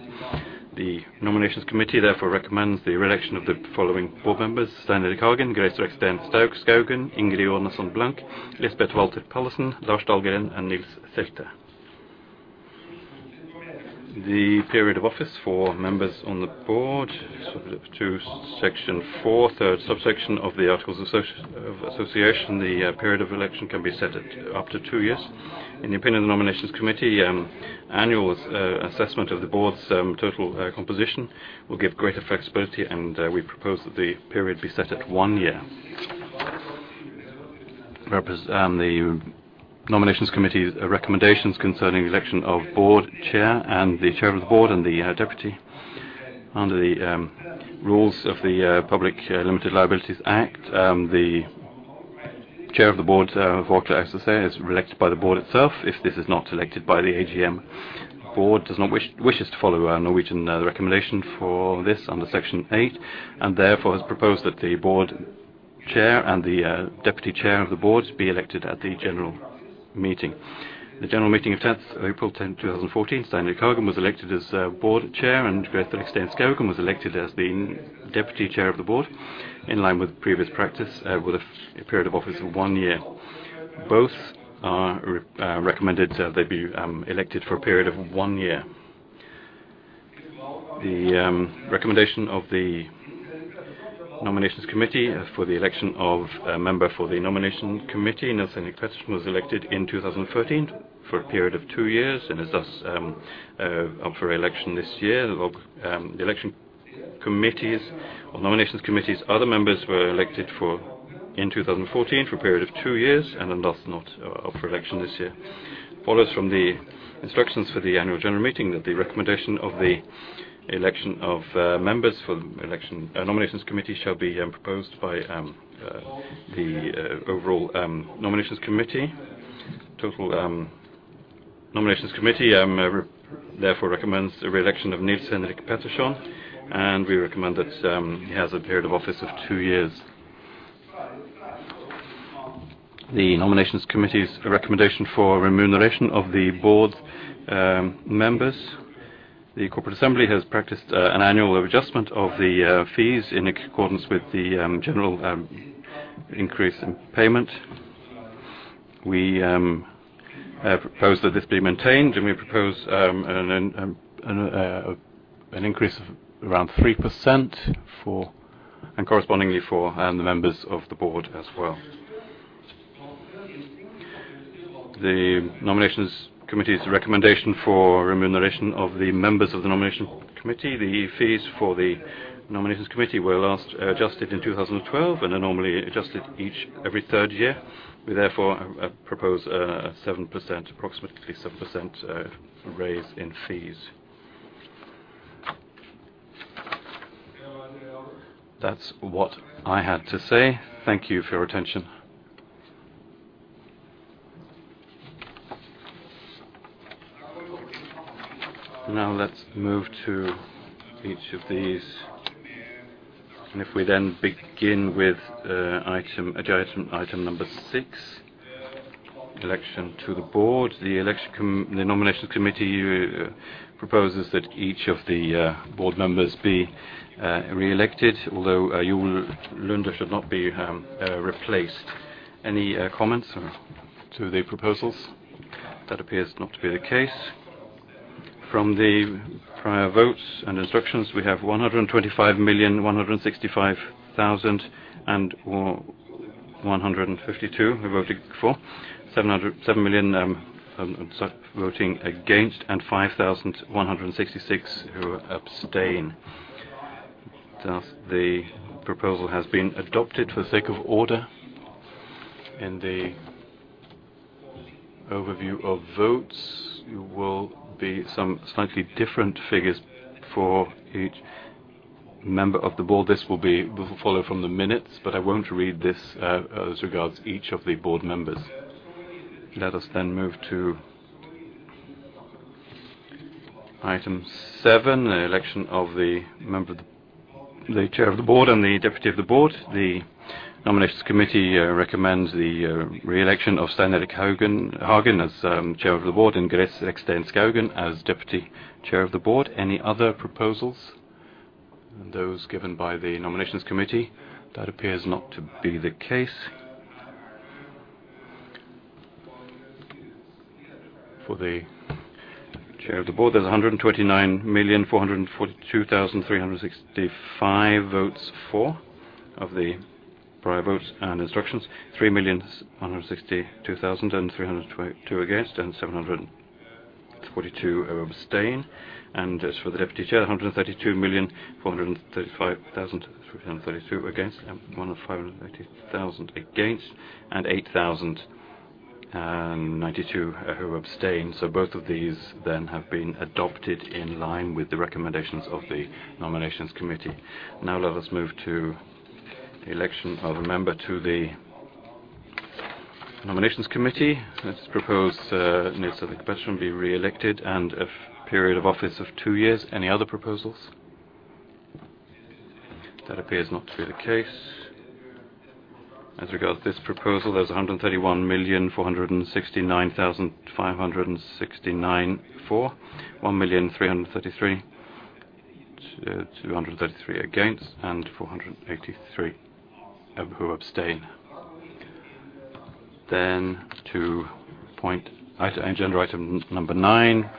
The Nomination Committee therefore recommends the re-election of the following board members: Stein Erik Hagen, Grace Reksten Skaugen, Ingrid Jonasson Blank, Lisbeth Valther Pallesen, Lars Dahlgren, and Nils Selte. The period of office for members on the board to Section four, third subsection of the Articles of Association, the period of election can be set at up to two years. In the opinion of the Nomination Committee, annual assessment of the board's total composition will give greater flexibility, and we propose that the period be set at one year. The Nomination Committee's recommendations concerning the election of board chair and the chair of the board and the deputy. Under the rules of the Public Limited Liability Companies Act, the chair of the board of Orkla, as I say, is elected by the board itself. If this is not elected by the AGM, board wishes to follow our Norwegian recommendation for this under Section Eight, and therefore, has proposed that the board chair and the deputy chair of the board be elected at the general meeting. The general meeting of 10th April 2014, Stein Erik Hagen was elected as board chair, and Grace Reksten Skaugen was elected as the deputy chair of the board, in line with previous practice, with a period of office of one year. Both are recommended they be elected for a period of one year. The recommendation of the Nomination Committee for the election of a member for the Nomination Committee, Nils-Henrik Pettersson was elected in two thousand and thirteen for a period of two years, and is thus up for election this year. The Election Committees or Nominations Committees other members were elected for in two thousand and fourteen for a period of two years, and are thus not up for election this year. Follows from the instructions for the Annual General Meeting, that the recommendation of the election of members for the election Nomination Committee shall be proposed by the overall Nomination Committee. Total Nomination Committee therefore recommends the re-election of Nils-Henrik Pettersson, and we recommend that he has a period of office of two years. The Nomination Committee's recommendation for remuneration of the Board members. The Corporate Assembly has practiced an annual adjustment of the fees in accordance with the general increase in payment. We have proposed that this be maintained, and we propose an increase of around 3% for, and correspondingly for, the members of the Board as well. The Nomination Committee's recommendation for remuneration of the members of the Nomination Committee. The fees for the Nomination Committee were last adjusted in two thousand and twelve and are normally adjusted every third year. We therefore propose a 7%, approximately 7% raise in fees. That's what I had to say. Thank you for your attention. Now let's move to each of these. And if we then begin with item, agenda item number six, election to the board. The nominations committee proposes that each of the board members be re-elected, although Jo Lunder should not be replaced. Any comments to the proposals? That appears not to be the case. From the prior votes and instructions, we have 125,165,152 who voted for 707 million voting against, and 5,166 who abstain. Thus, the proposal has been adopted for the sake of order. In the overview of votes, there will be some slightly different figures for each member of the board. This will follow from the minutes, but I won't read this as regards each of the board members. Let us then move to item seven, the election of the chair of the board and the deputy chair of the board. The Nomination Committee recommends the re-election of Stein Erik Hagen as chair of the board and Grace Reksten Skaugen as deputy chair of the board. Any other proposals than those given by the Nomination Committee? That appears not to be the case. For the chair of the board, there are 129,442,365 votes for of the prior votes and instructions. 3,162,322 against, and 742 abstain. As for the deputy chair, a hundred and thirty-two million, four hundred and thirty-five thousand, three hundred and thirty-two against, and one hundred and five hundred and thirty thousand against, and eight thousand ninety-two who abstain. So both of these then have been adopted in line with the recommendations of the Nomination Committee. Now, let us move to the election of a member to the Nomination Committee. Let's propose Nils-Henrik Pettersson be re-elected and a period of office of two years. Any other proposals? That appears not to be the case. As regards this proposal, there's 131,469,569 for 1,333,233 against, and 483 who abstain. Then, agenda item number nine,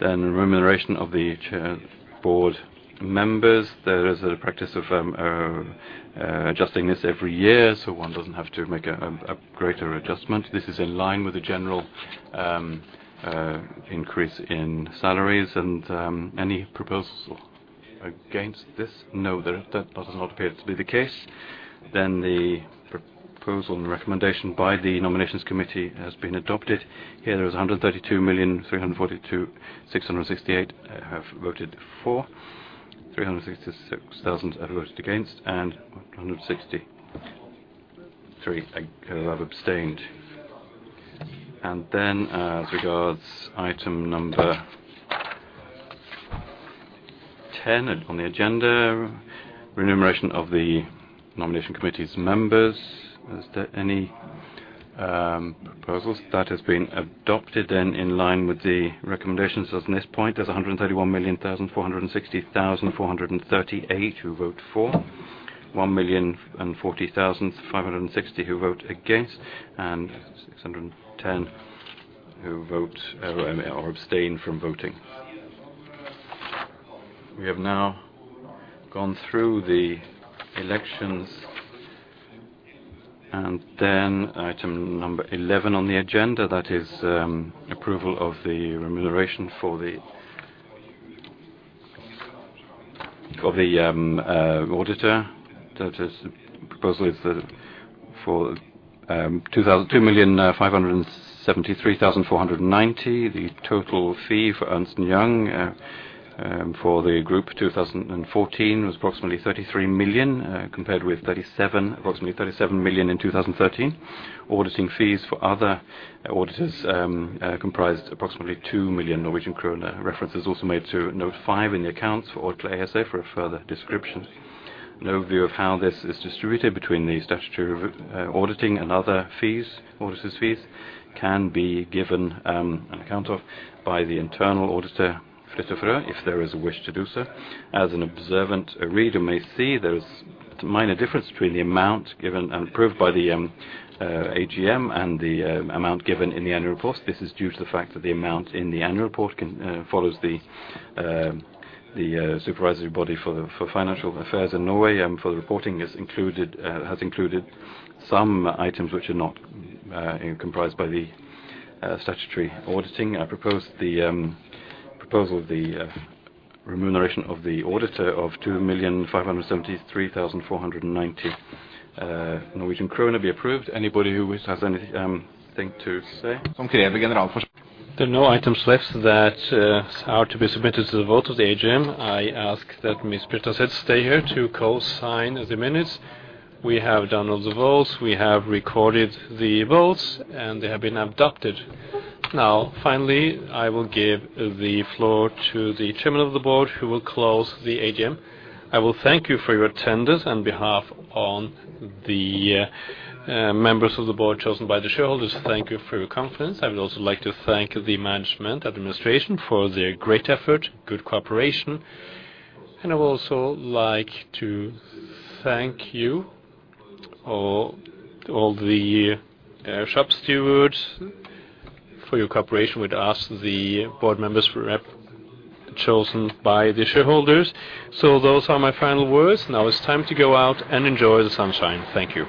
remuneration of the chair board members. There is a practice of adjusting this every year, so one doesn't have to make a greater adjustment. This is in line with the general increase in salaries. And any proposals against this? No, that does not appear to be the case. Then the proposal and recommendation by the Nomination Committee has been adopted. Here, there is 132,342,668 have voted for, 366,000 have voted against, and 163 have abstained. And then, as regards item number 10 on the agenda, remuneration of the Nomination Committee's members. Is there any proposals? That has been adopted then in line with the recommendations. At this point, there are 131,460,438 who vote for, 1,040,560 who vote against, and 610 who vote or abstain from voting. We have now gone through the elections. Then item number eleven on the agenda, that is, approval of the remuneration for the auditor. That is, the proposal is that for two million, five hundred and seventy-three thousand, four hundred and ninety. The total fee for Ernst & Young for the group 2014 was approximately 33 million, compared with approximately 37 million in 2013. Auditing fees for other auditors comprised approximately 2 million Norwegian kroner. Reference is also made to note five in the accounts for Orkla ASA for a further description. An overview of how this is distributed between the statutory auditing and other fees, auditors' fees, can be given, an account of by the internal auditor Fridtjof Røer, if there is a wish to do so. As an observant reader may see, there is a minor difference between the amount given and approved by the AGM and the amount given in the annual report. This is due to the fact that the amount in the annual report can follows the supervisory body for financial affairs in Norway, for the reporting is included has included some items which are not comprised by the statutory auditing. I propose the proposal of the remuneration of the auditor of 2,573,490 Norwegian kroner be approved. Anybody who has anything to say? There are no items left that are to be submitted to the vote of the AGM. I ask that Ms. Britta Sæther stay here to co-sign the minutes. We have done all the votes, we have recorded the votes, and they have been adopted. Now, finally, I will give the floor to the chairman of the board, who will close the AGM. I will thank you for your attendance on behalf of the members of the board chosen by the shareholders. Thank you for your confidence. I would also like to thank the management, administration, for their great effort, good cooperation, and I would also like to thank you, all the shop stewards for your cooperation with us, the board members representing chosen by the shareholders. Those are my final words. Now it's time to go out and enjoy the sunshine. Thank you.